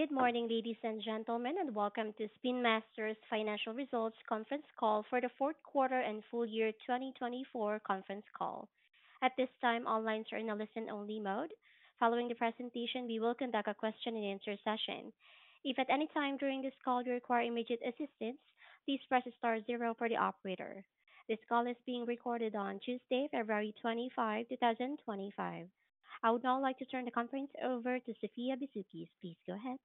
Good morning, ladies and gentlemen, and welcome to Spin Master's Financial Results Conference Call for the Fourth Quarter and Full Year 2024 Conference Call. At this time, all lines are in a listen-only mode. Following the presentation, we will conduct a question-and-answer session. If at any time during this call you require immediate assistance, please press star zero for the operator. This call is being recorded on, February Tuesday 25, 2025. I would now like to turn the conference over to Sophia Bisoukis. Please go ahead.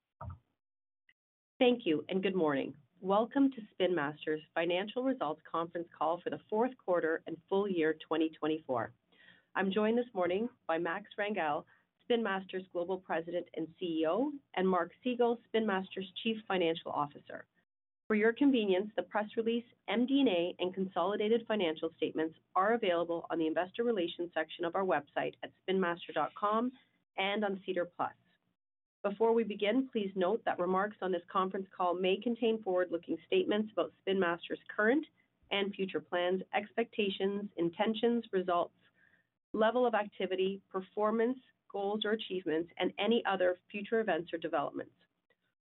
Thank you, and good morning. Welcome to Spin Master's Financial Results Conference Call for the Q4 and Full Year 2024. I'm joined this morning by Max Rangel, Spin Master's Global President ,CEO, Mark Segal, Spin Master's Chief Financial Officer. For your convenience, the press release, MD&A, and consolidated financial statements are available on the investor relations section of our website at spinmaster.com and on SEDAR+. Before we begin, please note that remarks on this conference call may contain forward-looking statements about Spin Master's current and future plans, expectations, intentions, results, level of activity, performance, goals or achievements, and any other future events or developments.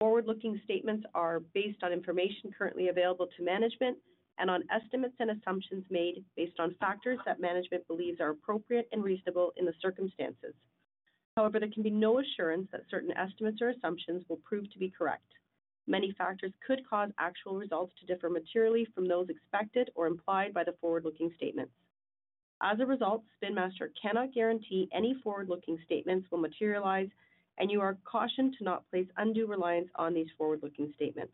Forward-looking statements are based on information currently available to management and on estimates and assumptions made based on factors that management believes are appropriate and reasonable in the circumstances. However, there can be no assurance that certain estimates or assumptions will prove to be correct. Many factors could cause actual results to differ materially from those expected or implied by the forward-looking statements. As a result, Spin Master cannot guarantee any forward-looking statements will materialize, and you are cautioned to not place undue reliance on these forward-looking statements.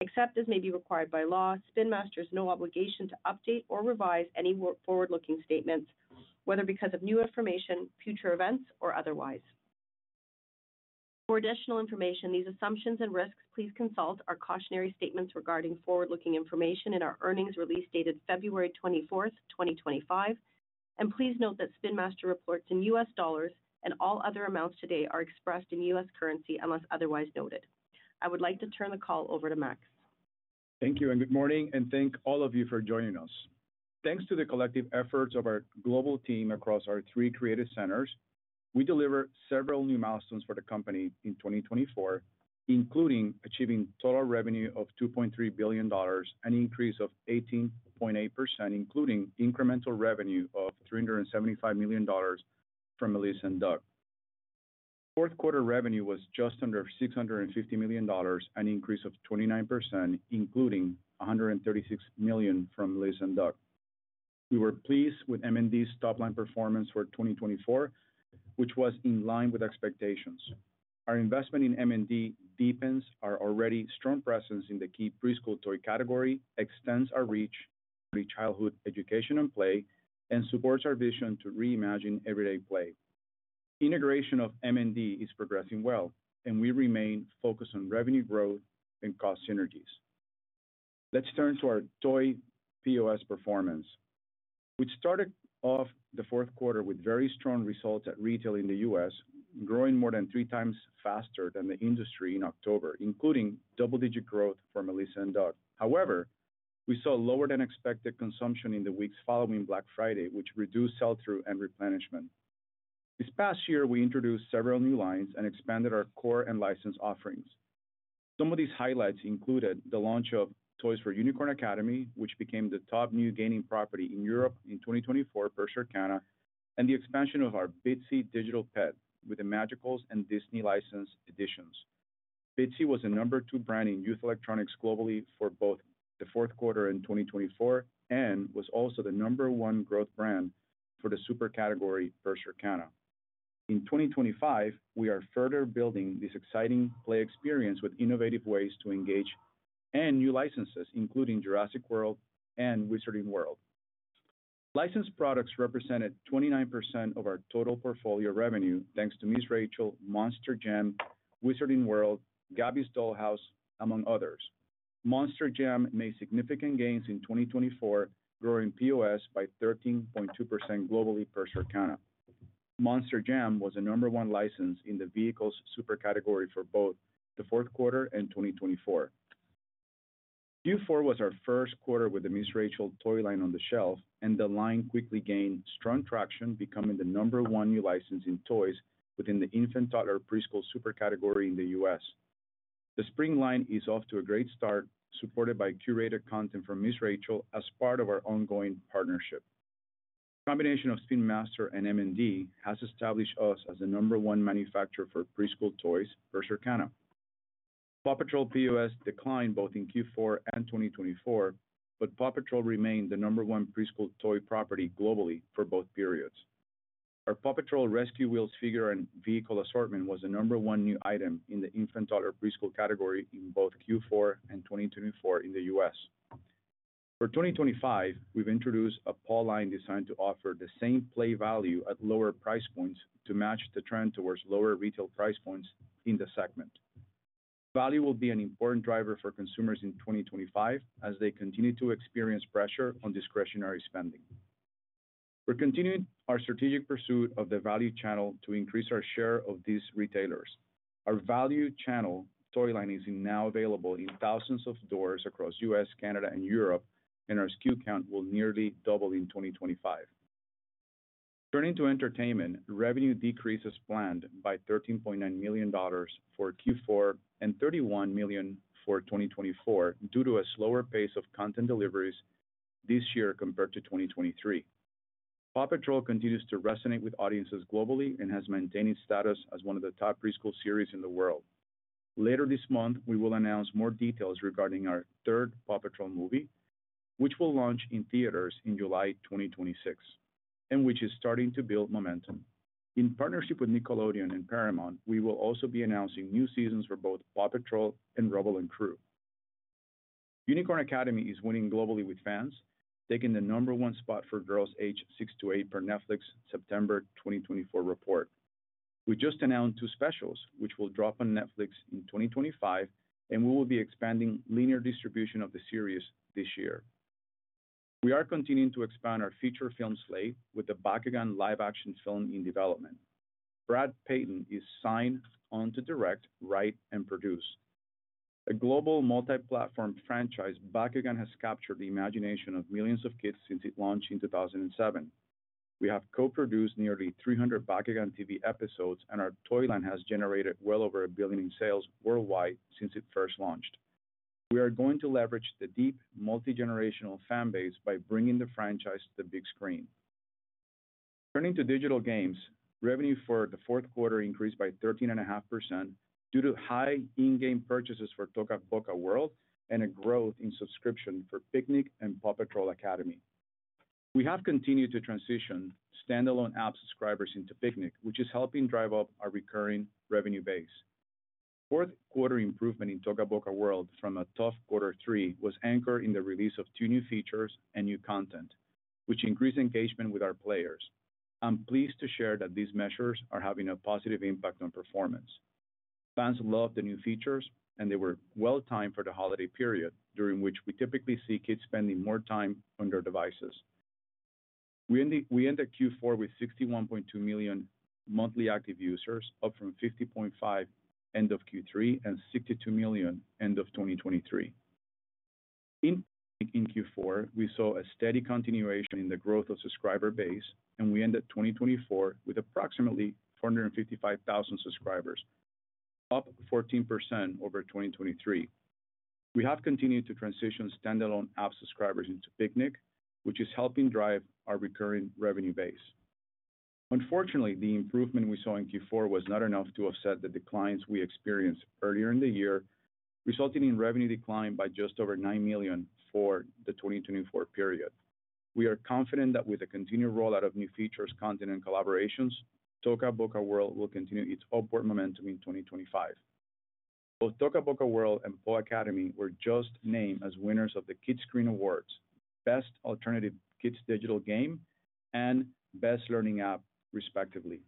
Except as may be required by law, Spin Master has no obligation to update or revise any forward-looking statements, whether because of new information, future events, or otherwise. For additional information, these assumptions and risks, please consult our cautionary statements regarding forward-looking information in our earnings release dated February 24, 2025, and please note that Spin Master reports in U.S. dollars, and all other amounts today are expressed in U.S. currency unless otherwise noted. I would like to turn the call over to Max. Thank you, and good morning, and thank all of you for joining us. Thanks to the collective efforts of our global team across our three creative centers, we delivered several new milestones for the company in 2024, including achieving total revenue of $2.3 billion, an increase of 18.8%, including incremental revenue of $375 million from Melissa & Doug. Fourth quarter revenue was just under $650 million, an increase of 29%, including $136 million from Melissa & Doug. We were pleased with M&D's top-line performance for 2024, which was in line with expectations. Our investment in M&D deepens our already strong presence in the key preschool toy category, extends our reach to childhood education and play, and supports our vision to reimagine everyday play. Integration of M&D is progressing well, and we remain focused on revenue growth and cost synergies. Let's turn to our toy POS performance. We started off the fourth quarter with very strong results at retail in the U.S., growing more than three times faster than the industry in October, including double-digit growth for Melissa & Doug. However, we saw lower-than-expected consumption in the weeks following Black Friday, which reduced sell-through and replenishment. This past year, we introduced several new lines and expanded our core and license offerings. Some of these highlights included the launch of toys for Unicorn Academy, which became the top new gaining property in Europe in 2024 per Circana, and the expansion of our Bitzee digital pet with the Magicals and Disney license editions. Bitzee was a number two brand in youth electronics globally for both the fourth quarter in 2024 and was also the number one growth brand for the super category per Circana. In 2025, we are further building this exciting play experience with innovative ways to engage and new licenses, including Jurassic World and Wizarding World. Licensed products represented 29% of our total portfolio revenue, thanks to Miss Rachel, Monster Jam, Wizarding World, Gabby's Dollhouse, among others. Monster Jam made significant gains in 2024, growing POS by 13.2% globally per Circana. Monster Jam was a number one license in the vehicles super category for both the fourth quarter and 2024. Fourth quarter was our first quarter with the Ms. Rachel toy line on the shelf, and the line quickly gained strong traction, becoming the number one new license in toys within the infant-toddler preschool super category in the U.S. The spring line is off to a great start, supported by curated content from Ms. Rachel as part of our ongoing partnership. The combination of Spin Master and M&D has established us as the number one manufacturer for preschool toys per Circana. PAW Patrol POS declined both in fourth quarter and 2024, but PAW Patrol remained the number one preschool toy property globally for both periods. Our PAW Patrol Rescue Wheels figure and vehicle assortment was the number one new item in the infant-toddler preschool category in both fourth quarter and 2024 in the U.S. For 2025, we've introduced a PAW line designed to offer the same play value at lower price points to match the trend towards lower retail price points in the segment. This value will be an important driver for consumers in 2025 as they continue to experience pressure on discretionary spending. We're continuing our strategic pursuit of the value channel to increase our share of these retailers. Our value channel toy line is now available in thousands of stores across the U.S., Canada, and Europe, and our SKU count will nearly double in 2025. Turning to entertainment, revenue decreases planned by $13.9 million for Q4 and $31 million for 2024 due to a slower pace of content deliveries this year compared to 2023. PAW Patrol continues to resonate with audiences globally and has maintained status as one of the top preschool series in the world. Later this month, we will announce more details regarding our third PAW Patrol movie, which will launch in theaters in July 2026, and which is starting to build momentum. In partnership with Nickelodeon and Paramount, we will also be announcing new seasons for both PAW Patrol and Rubble & Crew. Unicorn Academy is winning globally with fans, taking the number one spot for girls age six to eight per Netflix September 2024 report. We just announced two specials, which will drop on Netflix in 2025, and we will be expanding linear distribution of the series this year. We are continuing to expand our feature film slate with the Bakugan live-action film in development. Brad Peyton is signed on to direct, write, and produce. A global multi-platform franchise, Bakugan has captured the imagination of millions of kids since it launched in 2007. We have co-produced nearly 300 Bakugan TV episodes, and our toy line has generated well over $1 billion in sales worldwide since it first launched. We are going to leverage the deep multi-generational fan base by bringing the franchise to the big screen. Turning to digital games, revenue for the fourth quarter increased by 13.5% due to high in-game purchases for Toca Boca World and a growth in subscription for Piknik and PAW Patrol Academy. We have continued to transition standalone app subscribers into Piknik, which is helping drive up our recurring revenue base. Fourth quarter improvement in Toca Boca World from a tough quarter three was anchored in the release of two new features and new content, which increased engagement with our players. I'm pleased to share that these measures are having a positive impact on performance. Fans love the new features, and they were well-timed for the holiday period, during which we typically see kids spending more time on their devices. We ended Q4 with 61.2 million monthly active users, up from 50.5 end of Q3 and 62 million end of 2023. In Q4, we saw a steady continuation in the growth of subscriber base, and we ended 2024 with approximately 455,000 subscribers, up 14% over 2023. We have continued to transition standalone app subscribers into Piknik, which is helping drive our recurring revenue base. Unfortunately, the improvement we saw in Q4 was not enough to offset the declines we experienced earlier in the year, resulting in revenue decline by just over $9 million for the 2024 period. We are confident that with the continued rollout of new features, content, and collaborations, Toca Boca World will continue its upward momentum in 2025. Both Toca Boca World and PAW Academy were just named as winners of the Kidscreen Awards, Best Alternative Kids Digital Game, and Best Learning App, respectively.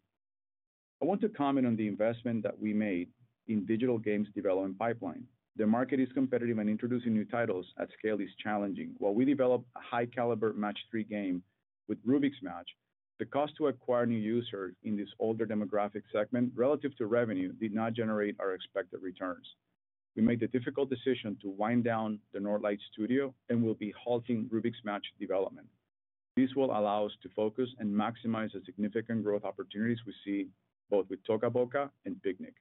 I want to comment on the investment that we made in digital games development pipeline. The market is competitive, and introducing new titles at scale is challenging. While we developed a high-caliber match-three game with Rubik's Match, the cost to acquire new users in this older demographic segment relative to revenue did not generate our expected returns. We made the difficult decision to wind down the Nordlight Studio and will be halting Rubik's Match development. This will allow us to focus and maximize the significant growth opportunities we see both with Toca Boca and Piknik.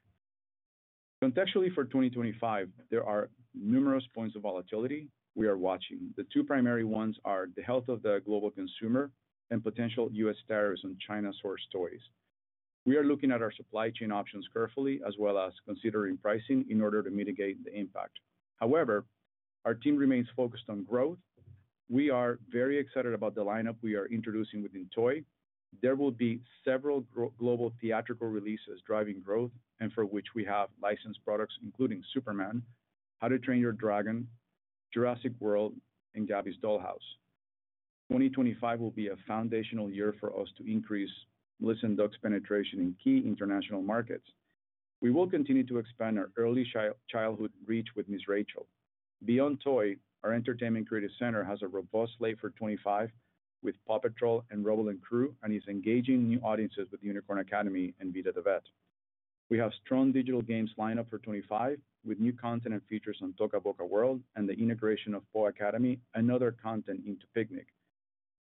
Contextually, for 2025, there are numerous points of volatility we are watching. The two primary ones are the health of the global consumer and potential U.S. tariffs on China-sourced toys. We are looking at our supply chain options carefully, as well as considering pricing in order to mitigate the impact. However, our team remains focused on growth. We are very excited about the lineup we are introducing within Toy. There will be several global theatrical releases driving growth and for which we have licensed products, including Superman, How to Train Your Dragon, Jurassic World, and Gabby's Dollhouse. 2025 will be a foundational year for us to increase Melissa & Doug's penetration in key international markets. We will continue to expand our early childhood reach with Ms. Rachel. Beyond Toy, our entertainment creative center has a robust slate for 2025 with PAW Patrol and Rubble & Crew and is engaging new audiences with Unicorn Academy and Vida the Vet. We have a strong digital games lineup for 2025 with new content and features on Toca Boca World and the integration of PAW Academy and other content into Piknik,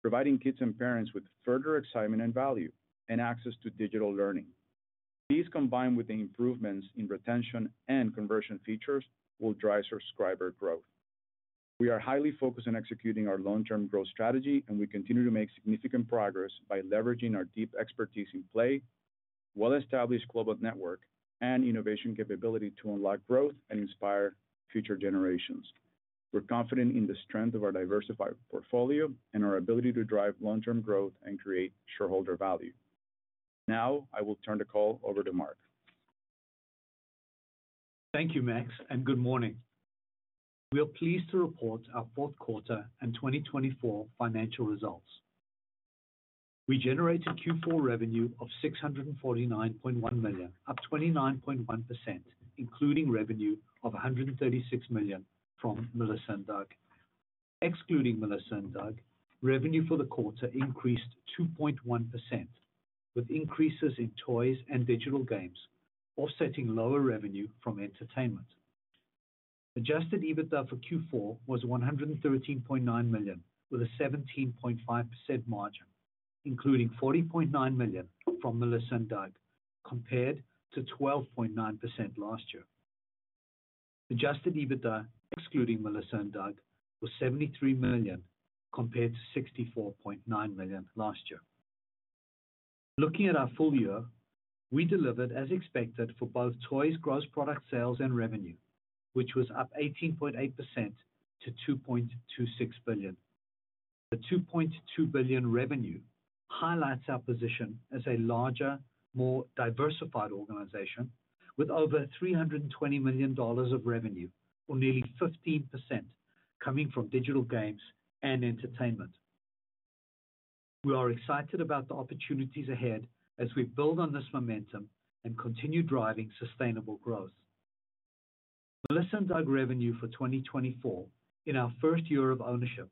providing kids and parents with further excitement and value and access to digital learning. These, combined with the improvements in retention and conversion features, will drive subscriber growth. We are highly focused on executing our long-term growth strategy, and we continue to make significant progress by leveraging our deep expertise in play, well-established global network, and innovation capability to unlock growth and inspire future generations. We're confident in the strength of our diversified portfolio and our ability to drive long-term growth and create shareholder value. Now, I will turn the call over to Mark. Thank you, Max, and good morning. We are pleased to report our fourth quarter and 2024 financial results. We generated Q4 revenue of $649.1 million, up 29.1%, including revenue of $136 million from Melissa & Doug. Excluding Melissa & Doug, revenue for the quarter increased 2.1%, with increases in toys and digital games, offsetting lower revenue from entertainment. Adjusted EBITDA for Q4 was $113.9 million, with a 17.5% margin, including $40.9 Melissa & Doug, compared to 12.9% last year. Adjusted EBITDA, excluding Melissa & Doug, was $73 million, compared to $64.9 million last year. Looking at our full year, we delivered as expected for both toys, gross product sales, and revenue, which was up 18.8% to $2.26 billion. The $2.2 billion revenue highlights our position as a larger, more diversified organization with over $320 million of revenue, or nearly 15% coming from digital games and entertainment. We are excited about the opportunities ahead as we build on this momentum and continue driving sustainable growth. Melissa & Doug revenue for 2024, in our first year of ownership,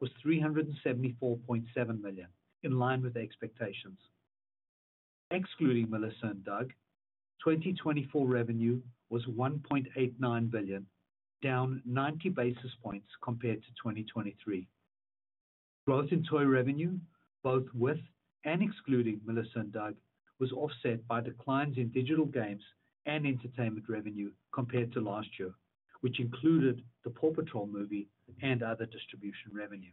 was $374.7 million, in line with expectations. Excluding Melissa & Doug, 2024 revenue was $1.89 billion, down 90 basis points compared to 2023. Growth in toy revenue, both with and excluding Melissa & Doug, was offset by declines in digital games and entertainment revenue compared to last year, which included the PAW Patrol movie and other distribution revenue.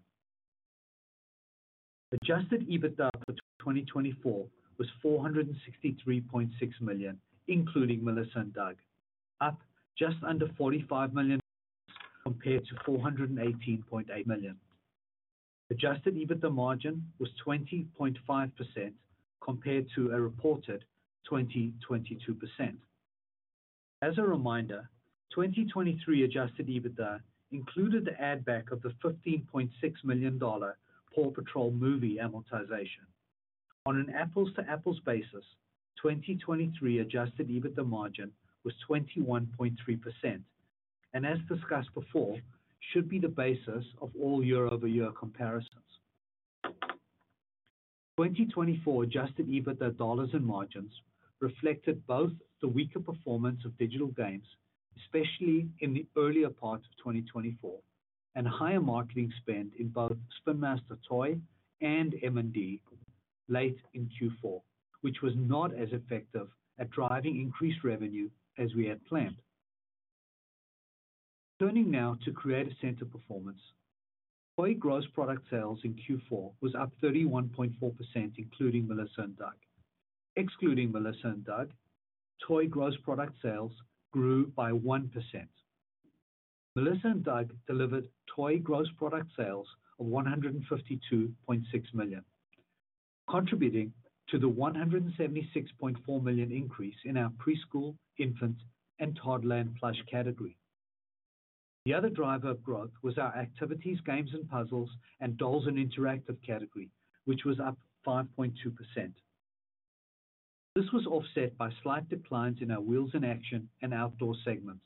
Adjusted EBITDA for 2024 was $463.6 million, including Melissa & Doug, up just under $45 million compared to $418.8 million. Adjusted EBITDA margin was 20.5% compared to a reported 20.22%. As a reminder, 2023 adjusted EBITDA included the add-back of the $15.6 million PAW Patrol movie amortization. On an apples-to-apples basis, 2023 adjusted EBITDA margin was 21.3%, and as discussed before, should be the basis of all year-over-year comparisons. 2024 adjusted EBITDA dollars and margins reflected both the weaker performance of digital games, especially in the earlier part of 2024, and higher marketing spend in both Spin Master Toy and M&D late in Q4, which was not as effective at driving increased revenue as we had planned. Turning now to creative center performance, toy gross product sales in Q4 was up 31.4%, including Melissa & Doug. Excluding Melissa & Doug, toy gross product sales grew by 1%. Melissa & Doug delivered toy gross product sales of $152.6 million, contributing to the $176.4 million increase in our preschool, infant, and toddler and plush category. The other driver of growth was our activities, games and puzzles, and dolls and interactive category, which was up 5.2%. This was offset by slight declines in our wheels in action and outdoor segments.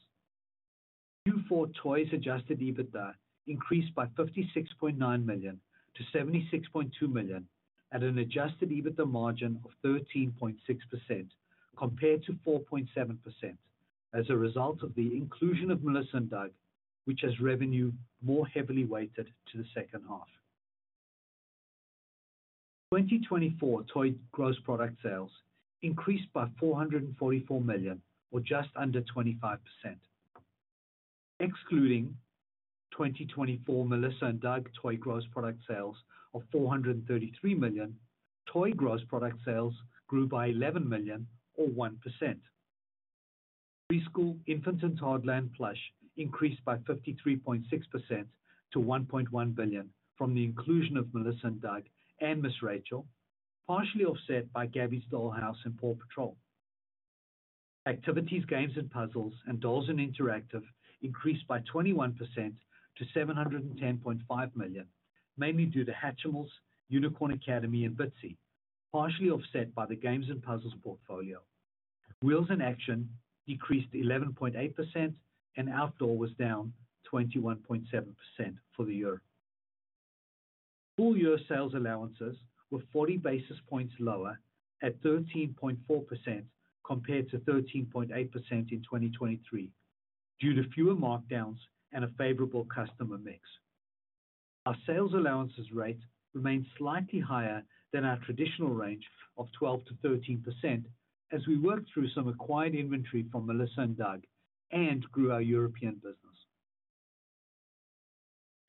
Q4 toys adjusted EBITDA increased by $56.9 million to $76.2 million at an adjusted EBITDA margin of 13.6% compared to 4.7% as a result of the inclusion of Melissa & Doug, which has revenue more heavily weighted to the second half. 2024 toy gross product sales increased by $444 million, or just under 25%. Excluding 2024 Melissa & Doug toy gross product sales of $433 million, toy gross product sales grew by $11 million, or 1%. Preschool, infant, and toddler and plush increased by 53.6% to $1.1 billion from the inclusion of Melissa & Doug and Ms. Rachel, partially offset by Gabby's Dollhouse and PAW Patrol. Activities, games and puzzles, and dolls and interactive increased by 21% to $710.5 million, mainly due to Hatchimals, Unicorn Academy, and Bitzee, partially offset by the games and puzzles portfolio. Wheels in action decreased 11.8%, and outdoor was down 21.7% for the year. Full year sales allowances were 40 basis points lower at 13.4% compared to 13.8% in 2023, due to fewer markdowns and a favorable customer mix. Our sales allowances rate remained slightly higher than our traditional range of 12%-13% as we worked through some acquired inventory from Melissa & Doug and grew our European business.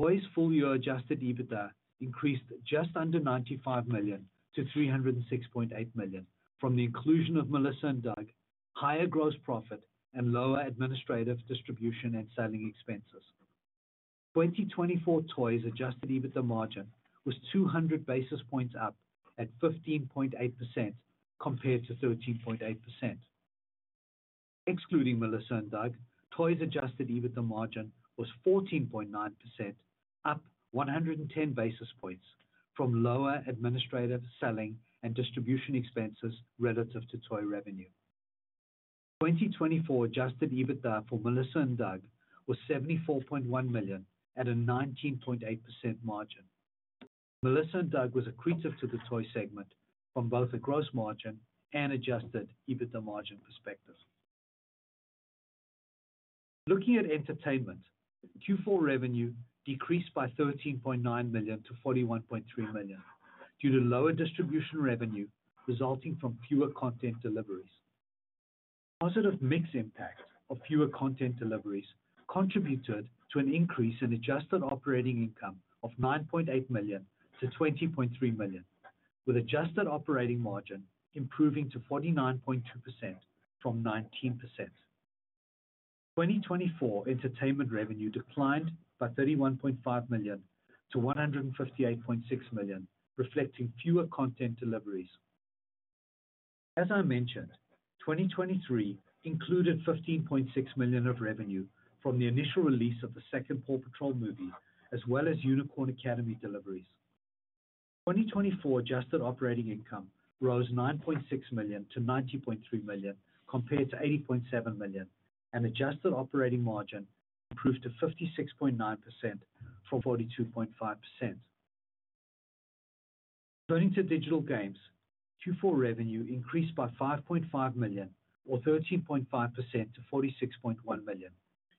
Toys full year adjusted EBITDA increased just under $95 million to $306.8 million from the inclusion of Melissa & Doug, higher gross profit, and lower administrative distribution and selling expenses. 2024 toys adjusted EBITDA margin was 200 basis points up at 15.8% compared to 13.8%. Excluding Melissa & Doug, toys adjusted EBITDA margin was 14.9%, up 110 basis points from lower administrative selling and distribution expenses relative to toy revenue. 2024 adjusted EBITDA for Melissa & Doug was $74.1 million at a 19.8% margin. Melissa & Doug was accretive to the toy segment from both a gross margin and adjusted EBITDA margin perspective. Looking at entertainment, Q4 revenue decreased by $13.9 million to $41.3 million due to lower distribution revenue resulting from fewer content deliveries. Positive mix impact of fewer content deliveries contributed to an increase in adjusted operating income of $9.8 million to $20.3 million, with adjusted operating margin improving to 49.2% from 19%. 2024 entertainment revenue declined by $31.5 million to $158.6 million, reflecting fewer content deliveries. As I mentioned, 2023 included $15.6 million of revenue from the initial release of the second PAW Patrol movie, as well as Unicorn Academy deliveries. 2024 adjusted operating income rose $9.6 million to $90.3 million compared to $80.7 million, and adjusted operating margin improved to 56.9% from 42.5%. Turning to digital games, Q4 revenue increased by $5.5 million, or 13.5% to $46.1 million,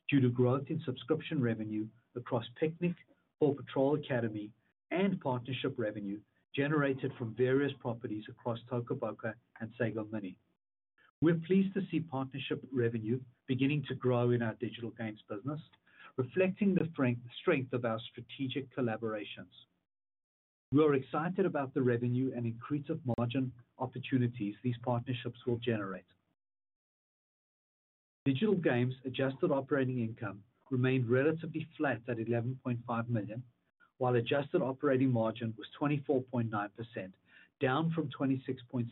due to growth in subscription revenue across Piknik, PAW Patrol Academy, and partnership revenue generated from various properties across Toca Boca and Sago Mini. We're pleased to see partnership revenue beginning to grow in our digital games business, reflecting the strength of our strategic collaborations. We're excited about the revenue and increase of margin opportunities these partnerships will generate. Digital games adjusted operating income remained relatively flat at $11.5 million, while adjusted operating margin was 24.9%, down from 26.6%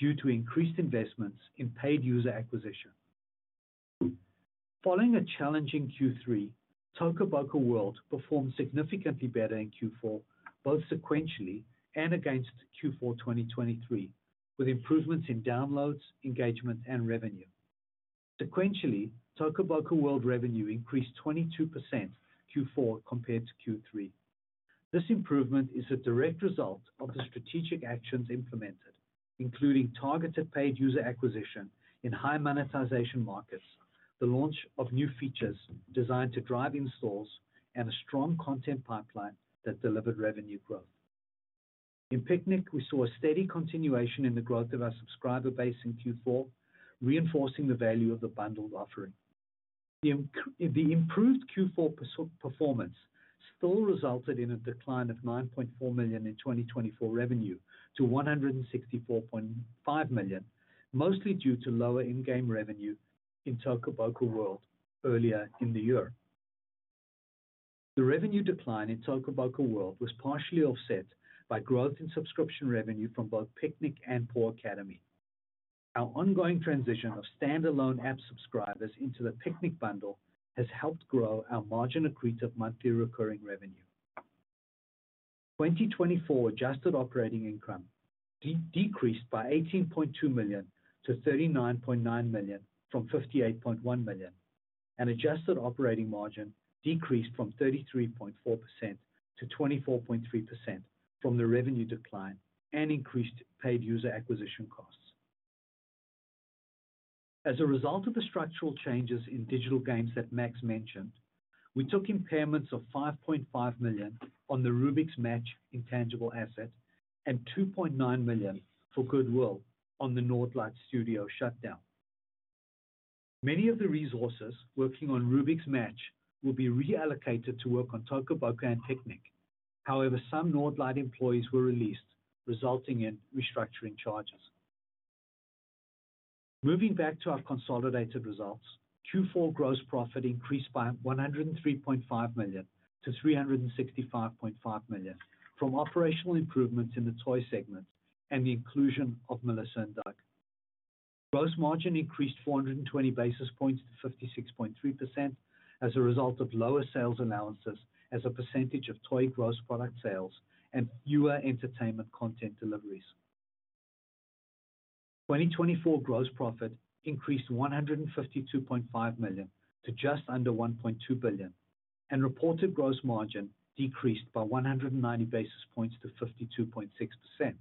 due to increased investments in paid user acquisition. Following a challenging Q3, Toca Boca World performed significantly better in Q4, both sequentially and against Q4 2023, with improvements in downloads, engagement, and revenue. Sequentially, Toca Boca World revenue increased 22% Q4 compared to Q3. This improvement is a direct result of the strategic actions implemented, including targeted paid user acquisition in high monetization markets, the launch of new features designed to drive installs, and a strong content pipeline that delivered revenue growth. In Piknik, we saw a steady continuation in the growth of our subscriber base in Q4, reinforcing the value of the bundled offering. The improved Q4 performance still resulted in a decline of $9.4 million in 2024 revenue to $164.5 million, mostly due to lower in-game revenue in Toca Boca World earlier in the year. The revenue decline in Toca Boca World was partially offset by growth in subscription revenue from both Piknik and PAW Academy. Our ongoing transition of standalone app subscribers into the Piknik bundle has helped grow our margin accretive monthly recurring revenue. 2024 adjusted operating income decreased by $18.2 million to $39.9 million from $58.1 million, and adjusted operating margin decreased from 33.4% to 24.3% from the revenue decline and increased paid user acquisition costs. As a result of the structural changes in digital games that Max mentioned, we took impairments of $5.5 million on the Rubik's Match intangible asset and $2.9 million for Goodwill on the Nordlight Studio shutdown. Many of the resources working on Rubik's Match will be reallocated to work on Toca Boca and Piknik; however, some Nordlight employees were released, resulting in restructuring charges. Moving back to our consolidated results, Q4 gross profit increased by $103.5 million to $365.5 million from operational improvements in the toy segment and the inclusion of Melissa & Doug. Gross margin increased 420 basis points to 56.3% as a result of lower sales allowances as a percentage of toy gross product sales and fewer entertainment content deliveries. 2024 gross profit increased $152.5 million to just under $1.2 billion, and reported gross margin decreased by 190 basis points to 52.6%.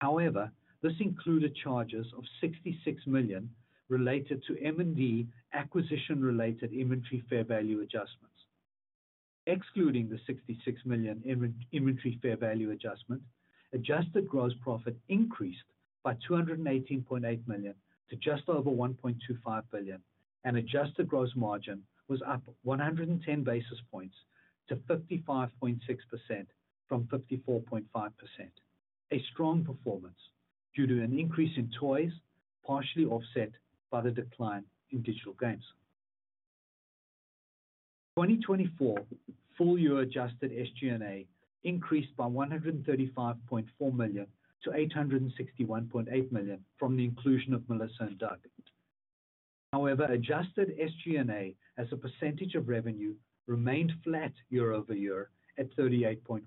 However, this included charges of $66 million related to M&D acquisition-related inventory fair value adjustments. Excluding the $66 million inventory fair value adjustment, adjusted gross profit increased by $218.8 million to just over $1.25 billion, and adjusted gross margin was up 110 basis points to 55.6% from 54.5%, a strong performance due to an increase in toys, partially offset by the decline in digital games. 2024 full year adjusted SG&A increased by $135.4 million to $861.8 million from the inclusion of Melissa & Doug. However, adjusted SG&A as a percentage of revenue remained flat year-over-year at 38.1%.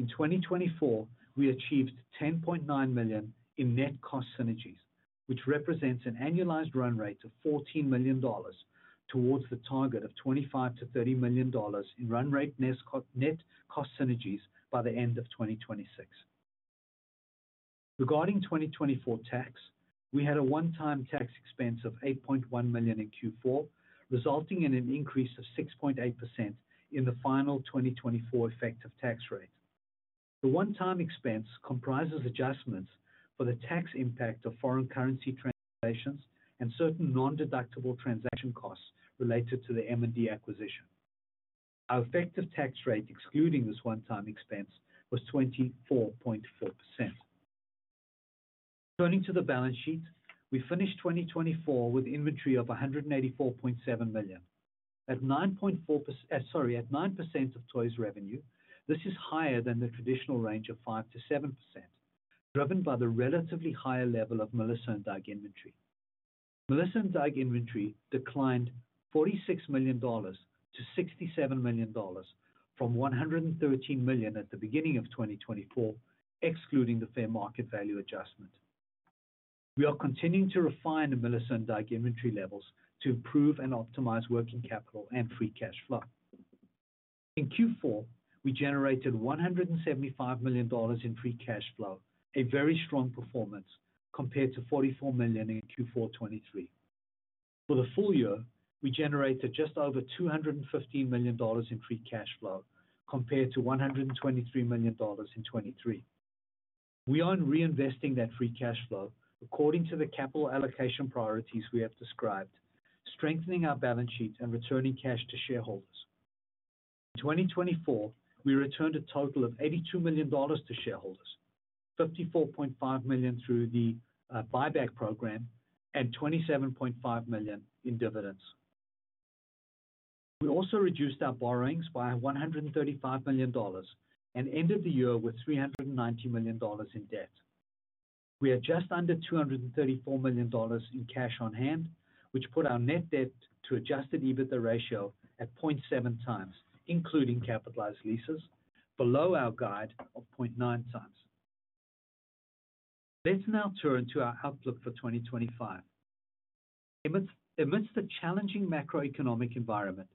In 2024, we achieved $10.9 million in net cost synergies, which represents an annualized run rate of $14 million towards the target of $25-$30 million in run rate net cost synergies by the end of 2026. Regarding 2024 tax, we had a one-time tax expense of $8.1 million in Q4, resulting in an increase of 6.8% in the final 2024 effective tax rate. The one-time expense comprises adjustments for the tax impact of foreign currency translations and certain non-deductible transaction costs related to the M&D acquisition. Our effective tax rate, excluding this one-time expense, was 24.4%. Turning to the balance sheet, we finished 2024 with inventory of $184.7 million. At 9% of toys revenue, this is higher than the traditional range of 5%-7%, driven by the relatively higher level of Melissa & Doug inventory. Melissa & Doug inventory declined $46 million to $67 million from $113 million at the beginning of 2024, excluding the fair market value adjustment. We are continuing to refine the Melissa & Doug inventory levels to improve and optimize working capital and free cash flow. In Q4, we generated $175 million in free cash flow, a very strong performance compared to $44 million in Q4 2023. For the full year, we generated just over $215 million in free cash flow compared to $123 million in 2023. We are reinvesting that free cash flow according to the capital allocation priorities we have described, strengthening our balance sheet and returning cash to shareholders. In 2024, we returned a total of $82 million to shareholders, $54.5 million through the buyback program, and $27.5 million in dividends. We also reduced our borrowings by $135 million and ended the year with $390 million in debt. We are just under $234 million in cash on hand, which put our net debt to adjusted EBITDA ratio at 0.7x, including capitalized leases, below our guide of 0.9x. Let's now turn to our outlook for 2025. Amidst the challenging macroeconomic environment,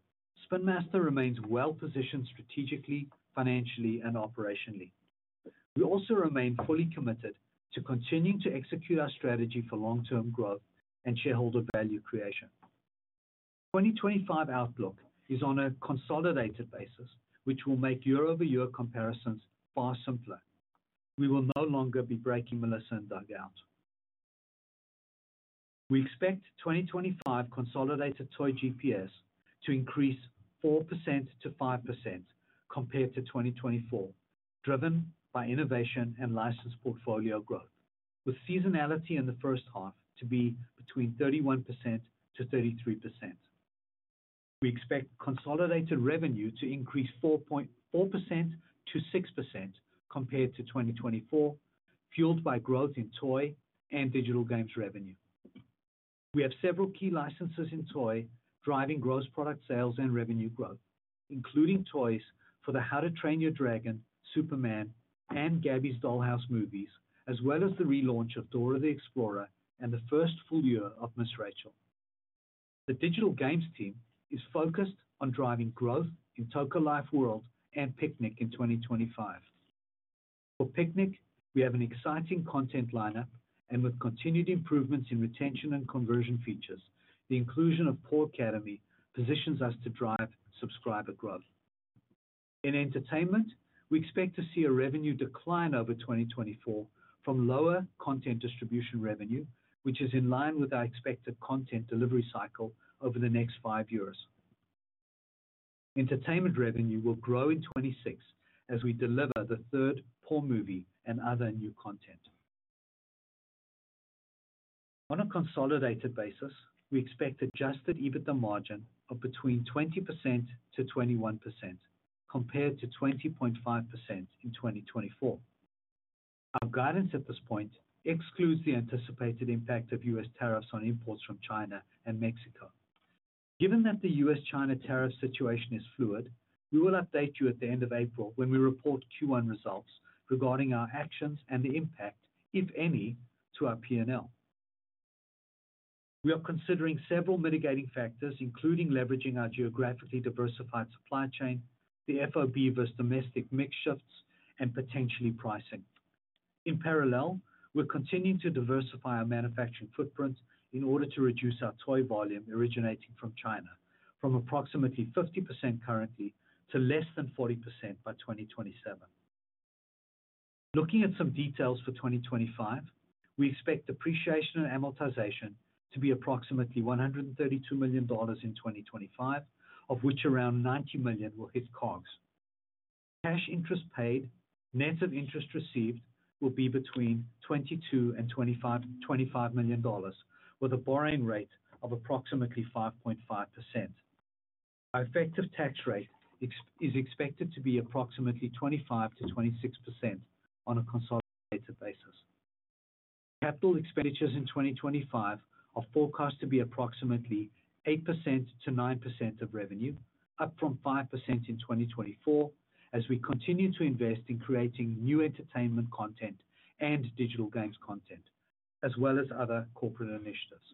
Spin Master remains well-positioned strategically, financially, and operationally. We also remain fully committed to continuing to execute our strategy for long-term growth and shareholder value creation. 2025 outlook is on a consolidated basis, which will make year-over-year comparisons far simpler. We will no longer be breaking Melissa & Doug out. We expect 2025 consolidated toy GPS to increase 4%-5% compared to 2024, driven by innovation and license portfolio growth, with seasonality in the first half to be between 31%-33%. We expect consolidated revenue to increase 4.4%-6% compared to 2024, fueled by growth in toy and digital games revenue. We have several key licenses in toys driving gross product sales and revenue growth, including toys for the How to Train Your Dragon, Superman, and Gabby's Dollhouse movies, as well as the relaunch of Dora the Explorer and the first full year of Miss Rachel. The digital games team is focused on driving growth in Toca Life World and Piknik in 2025. For Piknik, we have an exciting content lineup, and with continued improvements in retention and conversion features, the inclusion of PAW Academy positions us to drive subscriber growth. In entertainment, we expect to see a revenue decline over 2024 from lower content distribution revenue, which is in line with our expected content delivery cycle over the next five years. Entertainment revenue will grow in 2026 as we deliver the third PAW movie and other new content. On a consolidated basis, we expect adjusted EBITDA margin of between 20%-21% compared to 20.5% in 2024. Our guidance at this point excludes the anticipated impact of U.S. tariffs on imports from China and Mexico. Given that the U.S.-China tariff situation is fluid, we will update you at the end of April when we report Q1 results regarding our actions and the impact, if any, to our P&L. We are considering several mitigating factors, including leveraging our geographically diversified supply chain, the FOB versus domestic mix shifts, and potentially pricing. In parallel, we're continuing to diversify our manufacturing footprint in order to reduce our toy volume originating from China, from approximately 50% currently to less than 40% by 2027. Looking at some details for 2025, we expect depreciation and amortization to be approximately $132 million in 2025, of which around $90 million will hit COGS. Cash interest paid, net of interest received, will be between $22-$25 million, with a borrowing rate of approximately 5.5%. Our effective tax rate is expected to be approximately 25%-26% on a consolidated basis. Capital expenditures in 2025 are forecast to be approximately 8%-9% of revenue, up from 5% in 2024, as we continue to invest in creating new entertainment content and digital games content, as well as other corporate initiatives.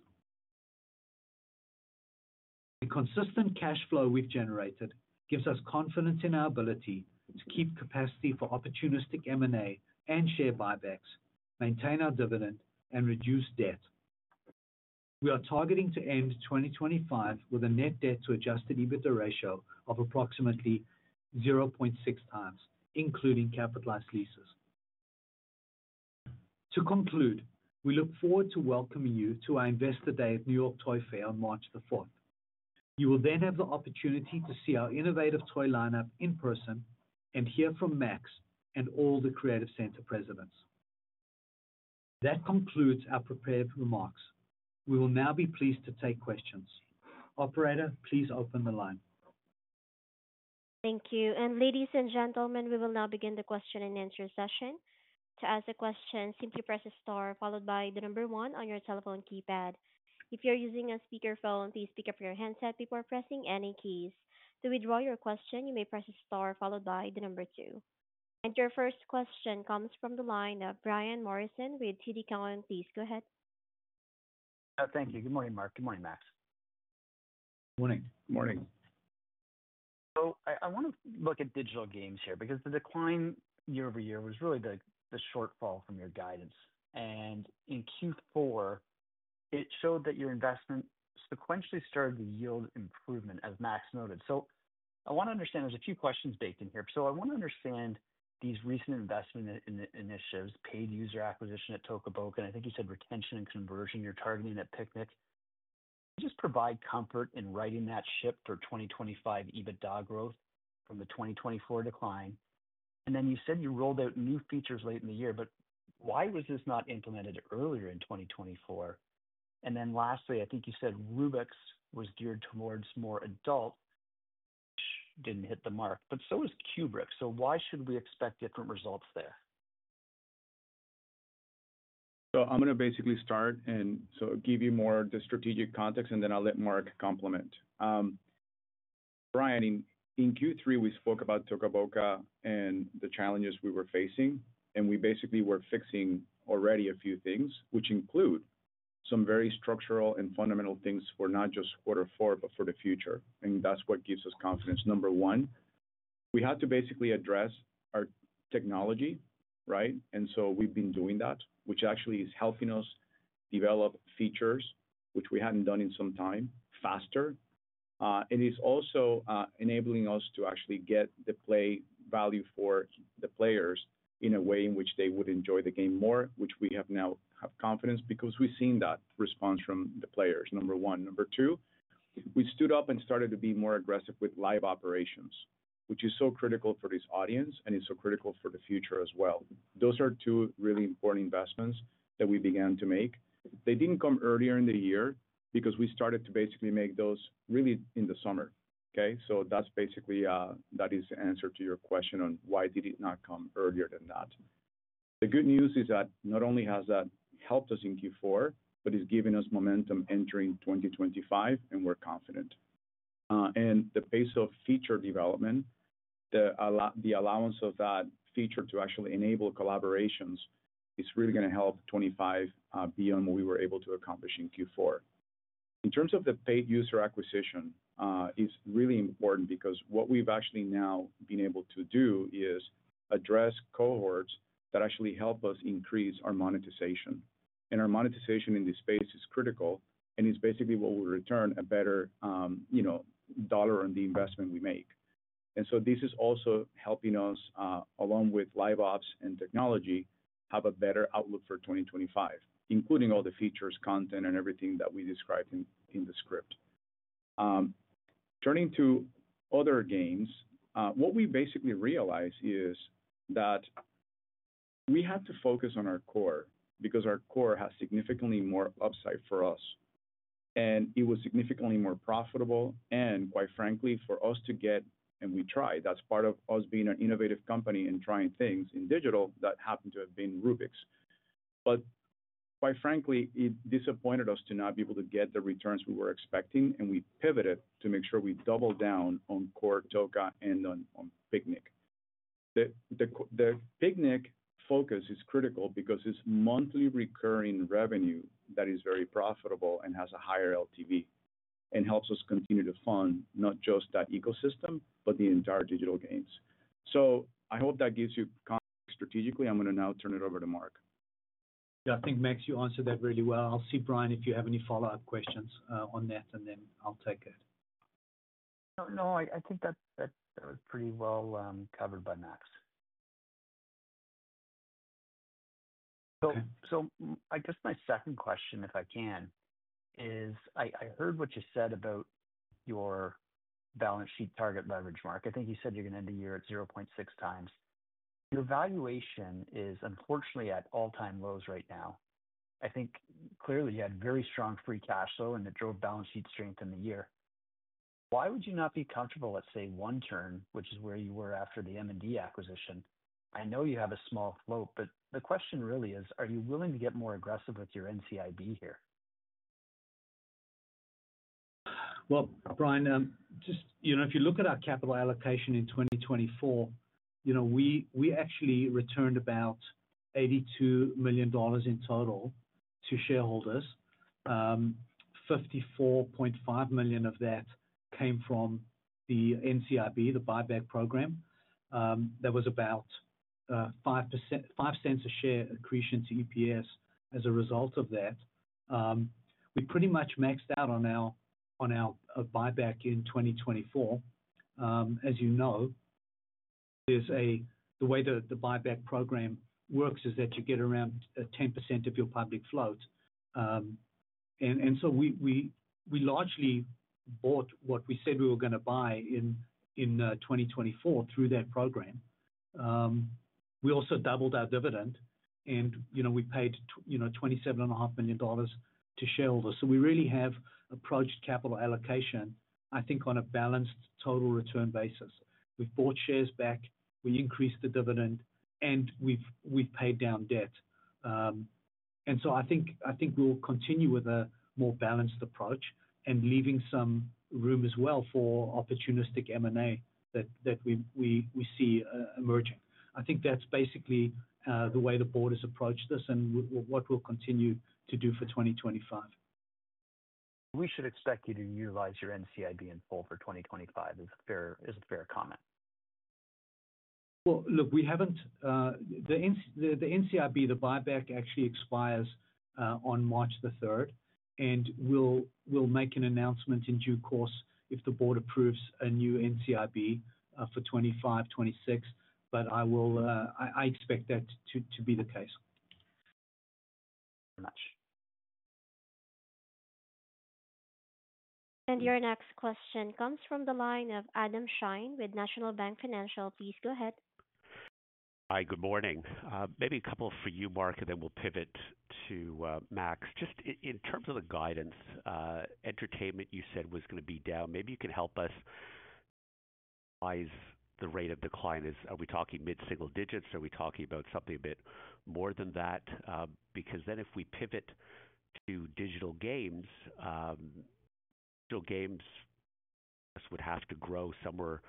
The consistent cash flow we've generated gives us confidence in our ability to keep capacity for opportunistic M&A and share buybacks, maintain our dividend, and reduce debt. We are targeting to end 2025 with a net debt to adjusted EBITDA ratio of approximately 0.6 times, including capitalized leases. To conclude, we look forward to welcoming you to our Investor Day at New York Toy Fair on March the 4th. You will then have the opportunity to see our innovative toy lineup in person and hear from Max and all the Creative Center presidents. That concludes our prepared remarks. We will now be pleased to take questions. Operator, please open the line. Thank you. And ladies and gentlemen, we will now begin the question and answer session. To ask a question, simply press a star followed by the number one on your telephone keypad. If you're using a speakerphone, please pick up your headset before pressing any keys. To withdraw your question, you may press a star followed by the number two. And your first question comes from the line of Brian Morrison with TD Cowen. Please go ahead. Thank you. Good morning, Mark. Good morning, Max. Good morning. Good morning. So I want to look at digital games here because the decline year-over-year was really the shortfall from your guidance. And in Q4, it showed that your investment sequentially started to yield improvement, as Max noted. So I want to understand there's a few questions baked in here. So I want to understand these recent investment initiatives, paid user acquisition at Toca Boca, and I think you said retention and conversion you're targeting at Piknik. Can you just provide comfort in writing that shipped or 2025 EBITDA growth from the 2024 decline? And then you said you rolled out new features late in the year, but why was this not implemented earlier in 2024? And then lastly, I think you said Rubik's was geared towards more adult, which didn't hit the mark, but so was Rubik's. So why should we expect different results there? So I'm going to basically start and so give you more of the strategic context, and then I'll let Mark complement. Brian, in Q3, we spoke about Toca Boca and the challenges we were facing, and we basically were fixing already a few things, which include some very structural and fundamental things for not just quarter four, but for the future. And that's what gives us confidence. Number one, we had to basically address our technology, right? And so we've been doing that, which actually is helping us develop features, which we hadn't done in some time, faster. It is also enabling us to actually get the play value for the players in a way in which they would enjoy the game more, which we now have confidence because we've seen that response from the players, number one. Number two, we stood up and started to be more aggressive with live operations, which is so critical for this audience and is so critical for the future as well. Those are two really important investments that we began to make. They didn't come earlier in the year because we started to basically make those really in the summer. Okay? So that's basically that is the answer to your question on why did it not come earlier than that. The good news is that not only has that helped us in Q4, but it's given us momentum entering 2025, and we're confident, and the pace of feature development, the allowance of that feature to actually enable collaborations is really going to help 2025 beyond what we were able to accomplish in Q4. In terms of the paid user acquisition, it's really important because what we've actually now been able to do is address cohorts that actually help us increase our monetization. And our monetization in this space is critical and is basically what will return a better dollar on the investment we make. And so this is also helping us, along with Live Ops and technology, have a better outlook for 2025, including all the features, content, and everything that we described in the script. Turning to other games, what we basically realized is that we have to focus on our core because our core has significantly more upside for us. And it was significantly more profitable and, quite frankly, for us to get, and we tried. That's part of us being an innovative company and trying things in digital that happened to have been Rubik's. But quite frankly, it disappointed us to not be able to get the returns we were expecting, and we pivoted to make sure we doubled down on core Toca and on Piknik. The Piknik focus is critical because it's monthly recurring revenue that is very profitable and has a higher LTV and helps us continue to fund not just that ecosystem, but the entire digital games. So I hope that gives you context strategically. I'm going to now turn it over to Mark. Yeah, I think Max you answered that really well. I'll see, Brian, if you have any follow-up questions on that, and then I'll take it. No, I think that was pretty well covered by Max. So I guess my second question, if I can, is I heard what you said about your balance sheet target leverage, Mark. I think you said you're going to end the year at 0.6x. Your valuation is unfortunately at all-time lows right now. I think clearly you had very strong free cash flow, and it drove balance sheet strength in the year. Why would you not be comfortable, let's say, one turn, which is where you were after the M&D acquisition? I know you have a small float, but the question really is, are you willing to get more aggressive with your NCIB here? Well, Brian, just if you look at our capital allocation in 2024, we actually returned about $82 million in total to shareholders. $54.5 million of that came from the NCIB, the buyback program. That was about $0.05 a share accretion to EPS as a result of that. We pretty much maxed out on our buyback in 2024. As you know, the way that the buyback program works is that you get around 10% of your public float, and so we largely bought what we said we were going to buy in 2024 through that program. We also doubled our dividend, and we paid $27.5 million to shareholders, so we really have approached capital allocation, I think, on a balanced total return basis. We've bought shares back, we increased the dividend, and we've paid down debt, and so I think we'll continue with a more balanced approach and leaving some room as well for opportunistic M&A that we see emerging. I think that's basically the way the board has approached this and what we'll continue to do for 2025. We should expect you to utiize your NCIB in full for 2025. Is it a fair comment? Well, look, we haven't. The NCIB, the buyback actually expires on March the 3rd, and we'll make an announcement in due course if the board approves a new NCIB for 2025, 2026, but I expect that to be the case. Thank you very much. Your next question comes from the line of Adam Shine with National Bank Financial. Please go ahead. Hi, good morning. Maybe a couple for you, Mark, and then we'll pivot to Max. Just in terms of the guidance, entertainment you said was going to be down. Maybe you can help us analyze the rate of decline. Are we talking mid-single digits? Are we talking about something a bit more than that? Because then if we pivot to digital games, digital games would have to grow somewhere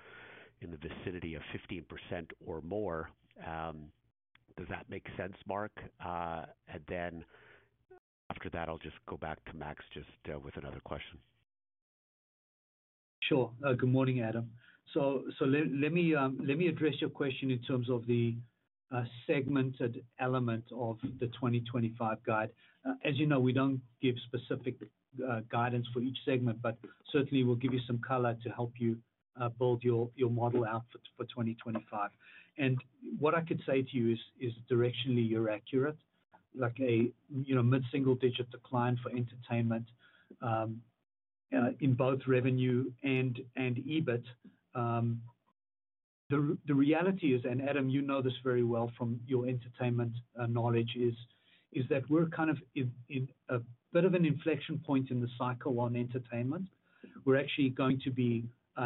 in the vicinity of 15% or more. Does that make sense, Mark? And then after that, I'll just go back to Max just with another question. Sure. Good morning, Adam. So let me address your question in terms of the segmented element of the 2025 guide. As you know, we don't give specific guidance for each segment, but certainly we'll give you some color to help you build your model out for 2025. And what I could say to you is directionally you're accurate. Like a mid-single-digit decline for entertainment in both revenue and EBIT. The reality is, and Adam, you know this very well from your entertainment knowledge, is that we're kind of in a bit of an inflection point in the cycle on entertainment. We're actually going to be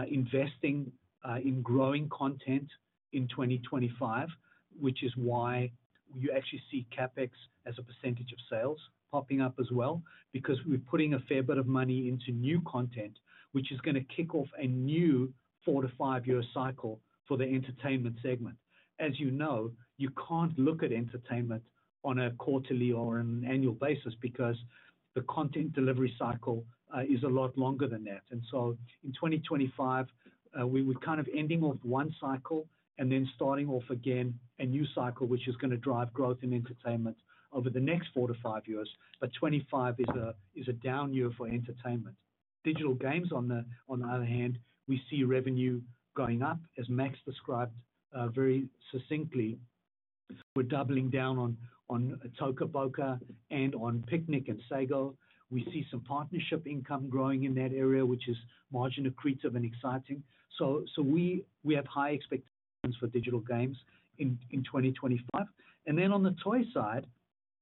investing in growing content in 2025, which is why you actually see CapEx as a percentage of sales popping up as well, because we're putting a fair bit of money into new content, which is going to kick off a new four to five-year cycle for the entertainment segment. As you know, you can't look at entertainment on a quarterly or an annual basis because the content delivery cycle is a lot longer than that, and so in 2025, we're kind of ending off one cycle and then starting off again a new cycle, which is going to drive growth in entertainment over the next four to five years, but 25 is a down year for entertainment. Digital games, on the other hand, we see revenue going up, as Max described very succinctly. We're doubling down on Toca Boca and on Piknik and Sago. We see some partnership income growing in that area, which is margin accretive and exciting. So we have high expectations for digital games in 2025. And then on the toy side,